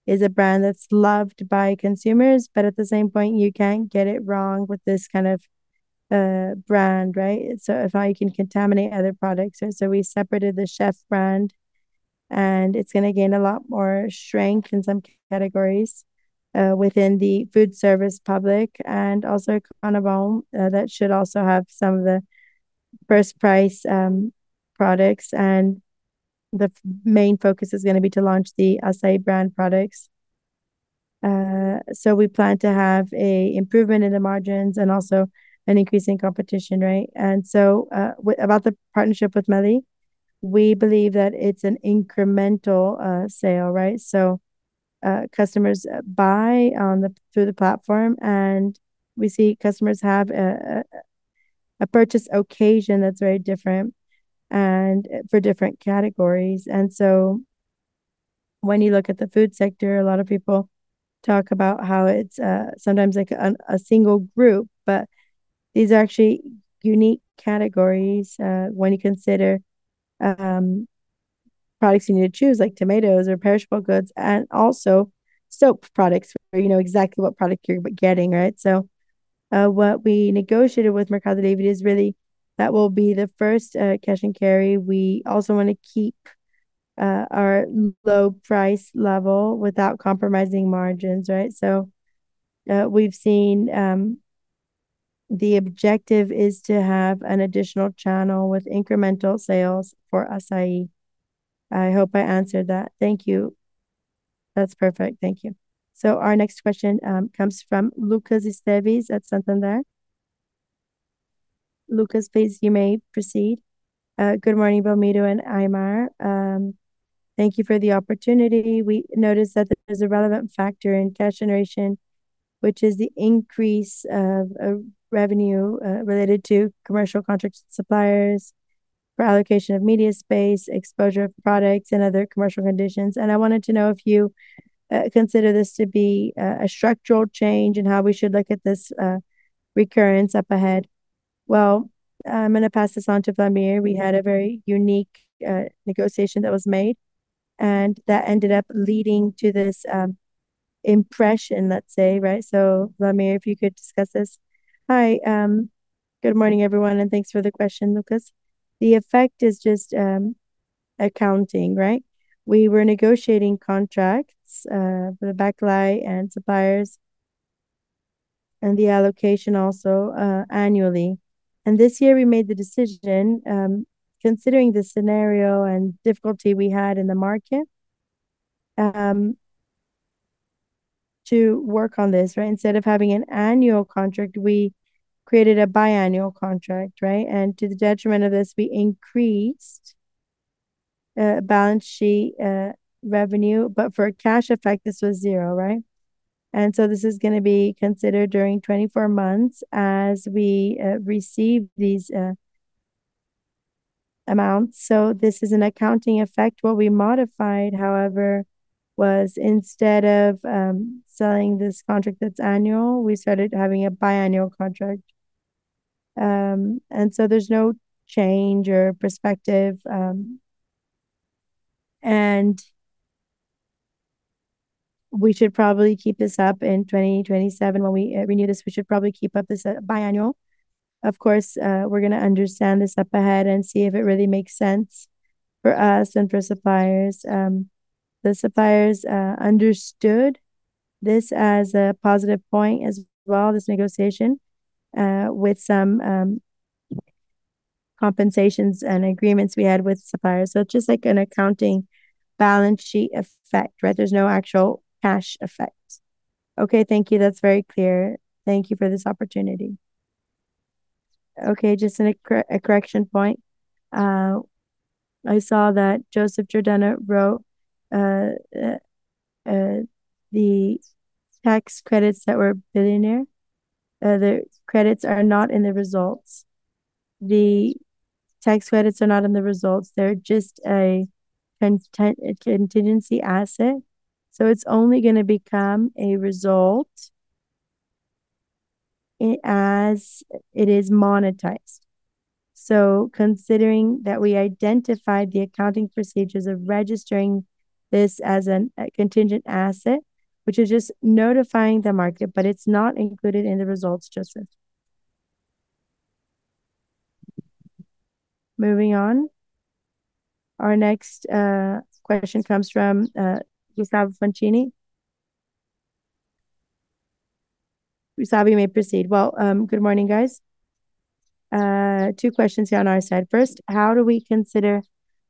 is a brand that's loved by consumers, but at the same point, you can get it wrong with this kind of brand, right? So if I can contaminate other products, so we separated the Sheffy brand. It's gonna gain a lot more strength in some categories within the food service public, and also Econobom, that should also have some of the first price products. And the main focus is gonna be to launch the Assaí brand products. So we plan to have an improvement in the margins and also an increase in competition, right? And so, about the partnership with Meli, we believe that it's an incremental sale, right? So, customers buy through the platform, and we see customers have a purchase occasion that's very different and for different categories. So when you look at the food sector, a lot of people talk about how it's sometimes like a single group, but these are actually unique categories, when you consider products you need to choose, like tomatoes or perishable goods, and also soap products, where you know exactly what product you're getting, right? So, what we negotiated with Mercado Livre is really that will be the first cash and carry. We also want to keep our low price level without compromising margins, right? So, we've seen. The objective is to have an additional channel with incremental sales for Assaí. I hope I answered that. Thank you. That's perfect. Thank you. So our next question comes from Lucas Esteves at Santander. Lucas, please, you may proceed. Good morning, Belmiro and Aymar. Thank you for the opportunity. We noticed that there is a relevant factor in cash generation, which is the increase of revenue related to commercial contracts with suppliers for allocation of media space, exposure of products, and other commercial conditions. And I wanted to know if you consider this to be a structural change, and how we should look at this recurrence up ahead. Well, I'm gonna pass this on to Belmiro. We had a very unique negotiation that was made, and that ended up leading to this impression, let's say, right? So Belmiro, if you could discuss this. Hi, good morning, everyone, and thanks for the question, Lucca. The effect is just accounting, right? We were negotiating contracts for the backlit and suppliers, and the allocation also annually. This year we made the decision, considering the scenario and difficulty we had in the market, to work on this, right? Instead of having an annual contract, we created a biannual contract, right? And to the detriment of this, we increased balance sheet revenue. But for a cash effect, this was zero, right? And so this is gonna be considered during 24 months as we receive these amounts. So this is an accounting effect. What we modified, however, was instead of signing this contract that's annual, we started having a biannual contract. And so there's no change or perspective, and we should probably keep this up in 2027. When we renew this, we should probably keep up this at biannual. Of course, we're gonna understand this up ahead and see if it really makes sense for us and for suppliers. The suppliers understood this as a positive point as well, this negotiation, with some compensations and agreements we had with suppliers. So it's just like an accounting balance sheet effect, right? There's no actual cash effect. Okay, thank you. That's very clear. Thank you for this opportunity. Okay, just a correction point. I saw that Joseph Giordano wrote, "The tax credits that were billion there, the credits are not in the results." The tax credits are not in the results. They're just a contingency asset, so it's only gonna become a result, as it is monetized. Considering that we identified the accounting procedures of registering this as a contingent asset, which is just notifying the market, but it's not included in the results, Joseph. Moving on. Our next question comes from Gustavo Funchini. Gustavo, you may proceed. Well, good morning, guys. Two questions here on our side. First, how do we consider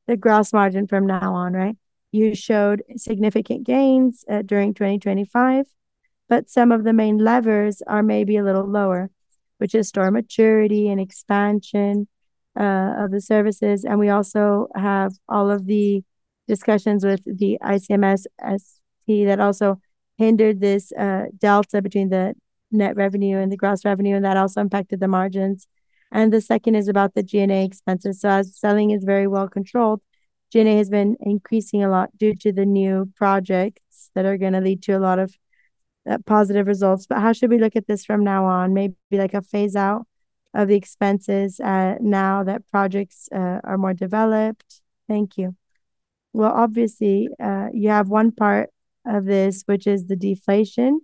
the gross margin from now on, right? You showed significant gains during 2025, but some of the main levers are maybe a little lower, which is store maturity and expansion of the services. And we also have all of the discussions with the ICMS-ST that also hindered this delta between the net revenue and the gross revenue, and that also impacted the margins. And the second is about the G&A expenses. So as selling is very well controlled, G&A has been increasing a lot due to the new projects that are gonna lead to a lot of positive results. But how should we look at this from now on? Maybe like a phase out of the expenses now that projects are more developed. Thank you. Well, obviously, you have one part of this, which is the deflation.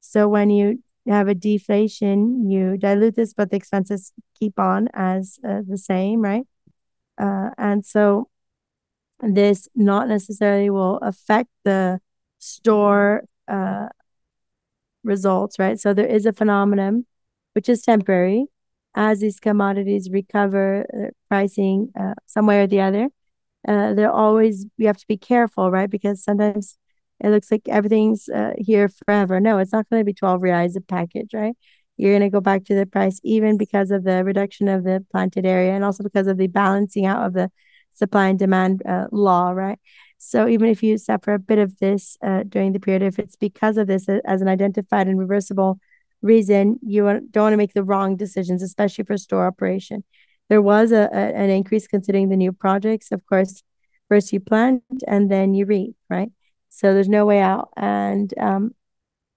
So when you have a deflation, you dilute this, but the expenses keep on as the same, right? And so this not necessarily will affect the store results, right? So there is a phenomenon which is temporary, as these commodities recover pricing some way or the other. They're always. You have to be careful, right? Because sometimes it looks like everything's here forever. No, it's not going to be 12 reais a package, right? You're going to go back to the price, even because of the reduction of the planted area, and also because of the balancing out of the supply and demand law, right? So even if you suffer a bit of this during the period, if it's because of this as an identified and reversible reason, you don't want to make the wrong decisions, especially for store operation. There was an increase considering the new projects. Of course, first you plant, and then you reap, right? So there's no way out, and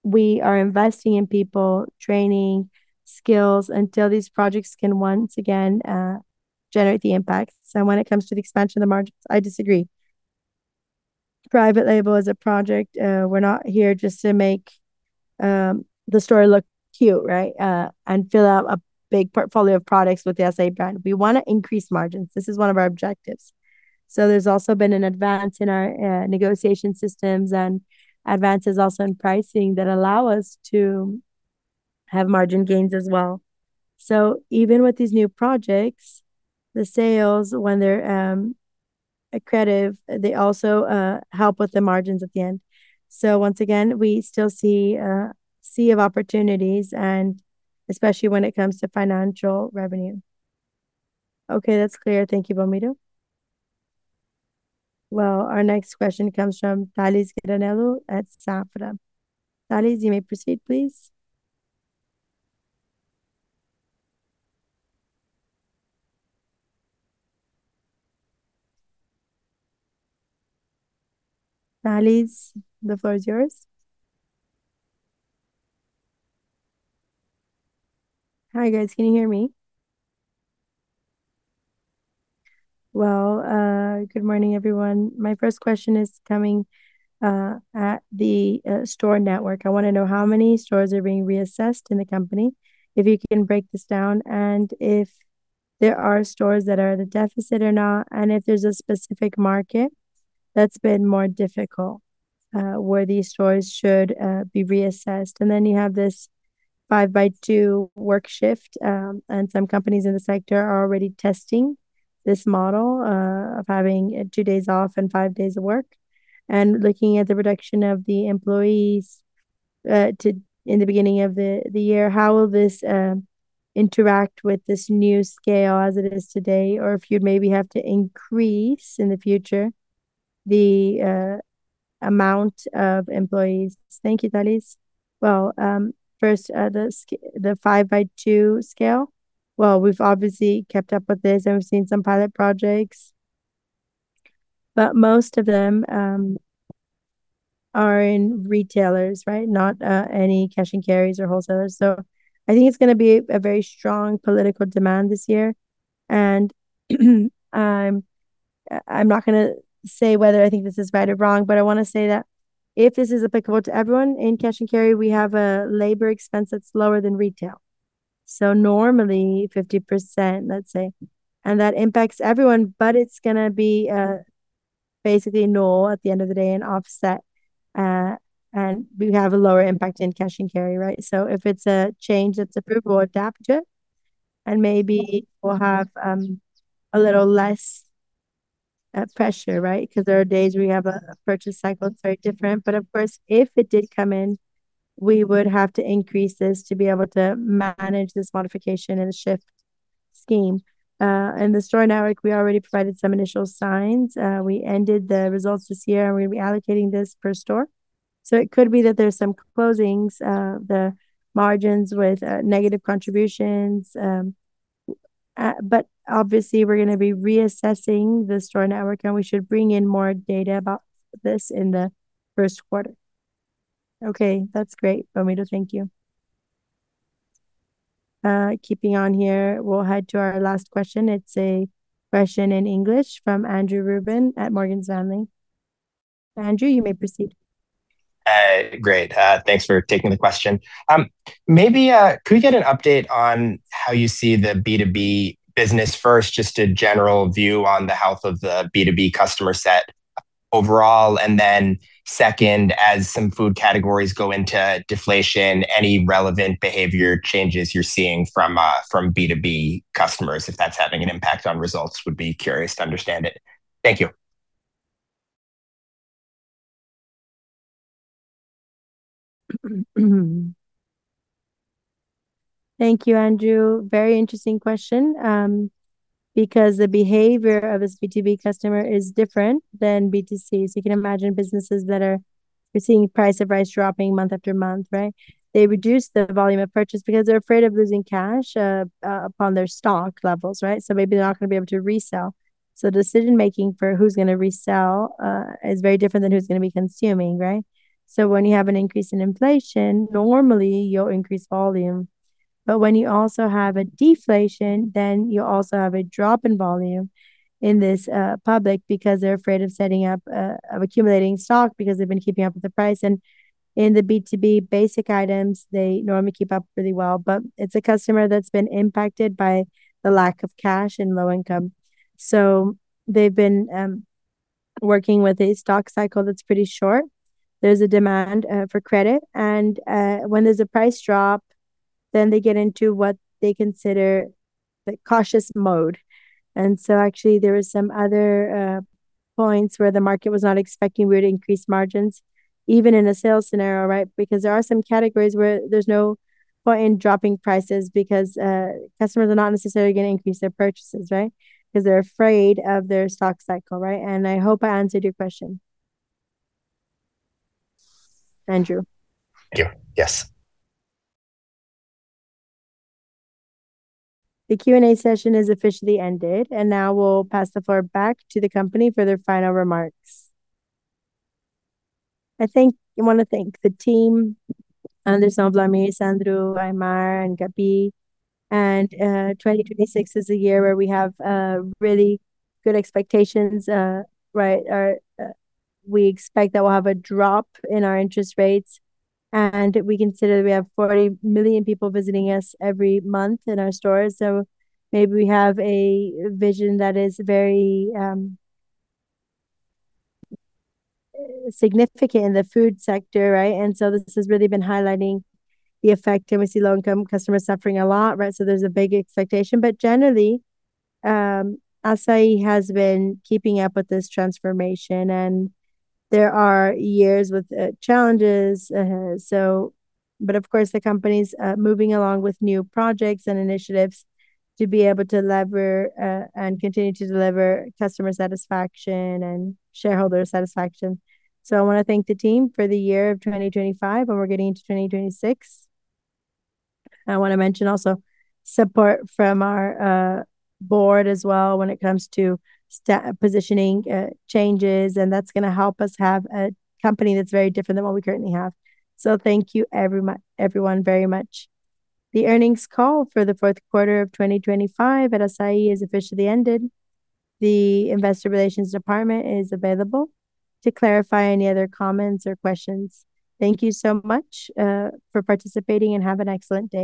we are investing in people, training, skills, until these projects can once again generate the impact. So when it comes to the expansion of the margins, I disagree. Private label is a project. We're not here just to make the store look cute, right, and fill out a big portfolio of products with the SA brand. We want to increase margins. This is one of our objectives. So there's also been an advance in our negotiation systems and advances also in pricing that allow us to have margin gains as well. So even with these new projects, the sales, when they're accretive, they also help with the margins at the end. So once again, we still see a sea of opportunities and especially when it comes to financial revenue. Okay, that's clear. Thank you, Belmiro. Well, our next question comes from Tales Granello at Safra. Tales, you may proceed, please. Tales, the floor is yours. Hi, guys. Can you hear me? Well, good morning, everyone. My first question is coming at the store network. I want to know how many stores are being reassessed in the company, if you can break this down, and if there are stores that are at a deficit or not, and if there's a specific market that's been more difficult, where these stores should be reassessed. And then you have this five-by-two work shift, and some companies in the sector are already testing this model of having two days off and five days of work. And looking at the reduction of the employees to in the beginning of the year, how will this interact with this new scale as it is today? Or if you'd maybe have to increase in the future the amount of employees. Thank you, Tales. Well, first, the five-by-two scale, well, we've obviously kept up with this, and we've seen some pilot projects, but most of them are in retailers, right? Not any cash and carries or wholesalers. So I think it's going to be a very strong political demand this year, and I'm not going to say whether I think this is right or wrong, but I want to say that if this is applicable to everyone in cash and carry, we have a labor expense that's lower than retail. So normally 50%, let's say, and that impacts everyone, but it's going to be basically null at the end of the day, an offset. And we have a lower impact in cash and carry, right? So if it's a change that's approved, we'll adapt to it, and maybe we'll have a little less pressure, right? Because there are days where you have a purchase cycle that's very different. But of course, if it did come in, we would have to increase this to be able to manage this modification and shift scheme. And the store network, we already provided some initial signs. We ended the results this year, and we're reallocating this per store. So it could be that there's some closings, the margins with negative contributions, but obviously, we're going to be reassessing the store network, and we should bring in more data about this in the first quarter. Okay. That's great, Belmiro. Thank you. Keeping on here, we'll head to our last question. It's a question in English from Andrew Ruben at Morgan Stanley. Andrew, you may proceed. Great. Thanks for taking the question. Maybe, could we get an update on how you see the B2B business first, just a general view on the health of the B2B customer set overall? And then second, as some food categories go into deflation, any relevant behavior changes you're seeing from B2B customers, if that's having an impact on results? Would be curious to understand it. Thank you. Thank you, Andrew. Very interesting question, because the behavior of a B2B customer is different than B2C. So you can imagine businesses that are seeing price of rice dropping month after month, right? They reduce the volume of purchase because they're afraid of losing cash upon their stock levels, right? So maybe they're not going to be able to resell. So decision-making for who's going to resell is very different than who's going to be consuming, right? So when you have an increase in inflation, normally you'll increase volume. But when you also have a deflation, then you also have a drop in volume in this public because they're afraid of accumulating stock, because they've been keeping up with the price. In the B2B basic items, they normally keep up really well, but it's a customer that's been impacted by the lack of cash and low income. So they've been working with a stock cycle that's pretty short. There's a demand for credit, and when there's a price drop, then they get into what they consider the cautious mode. And so actually, there are some other points where the market was not expecting we would increase margins, even in a sales scenario, right? Because there are some categories where there's no point in dropping prices because customers are not necessarily going to increase their purchases, right? Because they're afraid of their stock cycle, right? And I hope I answered your question, Andrew. Yeah. Yes. The Q&A session is officially ended, and now we'll pass the floor back to the company for their final remarks. I want to thank the team, Anderson, Belmiro, Sandro, Aymar, and Gabi. And, 2026 is a year where we have really good expectations, right? We expect that we'll have a drop in our interest rates, and we consider that we have 40 million people visiting us every month in our stores. So maybe we have a vision that is very significant in the food sector, right? And so this has really been highlighting the effect. We see low-income customers suffering a lot, right? So there's a big expectation. But generally, Assaí has been keeping up with this transformation, and there are years with challenges. But of course, the company's moving along with new projects and initiatives to be able to lever and continue to deliver customer satisfaction and shareholder satisfaction. So I want to thank the team for the year of 2025, and we're getting into 2026. I want to mention also support from our board as well when it comes to positioning changes, and that's going to help us have a company that's very different than what we currently have. So thank you everyone, very much. The earnings call for the fourth quarter of 2025 at Assaí is officially ended. The Investor Relations department is available to clarify any other comments or questions. Thank you so much, for participating, and have an excellent day.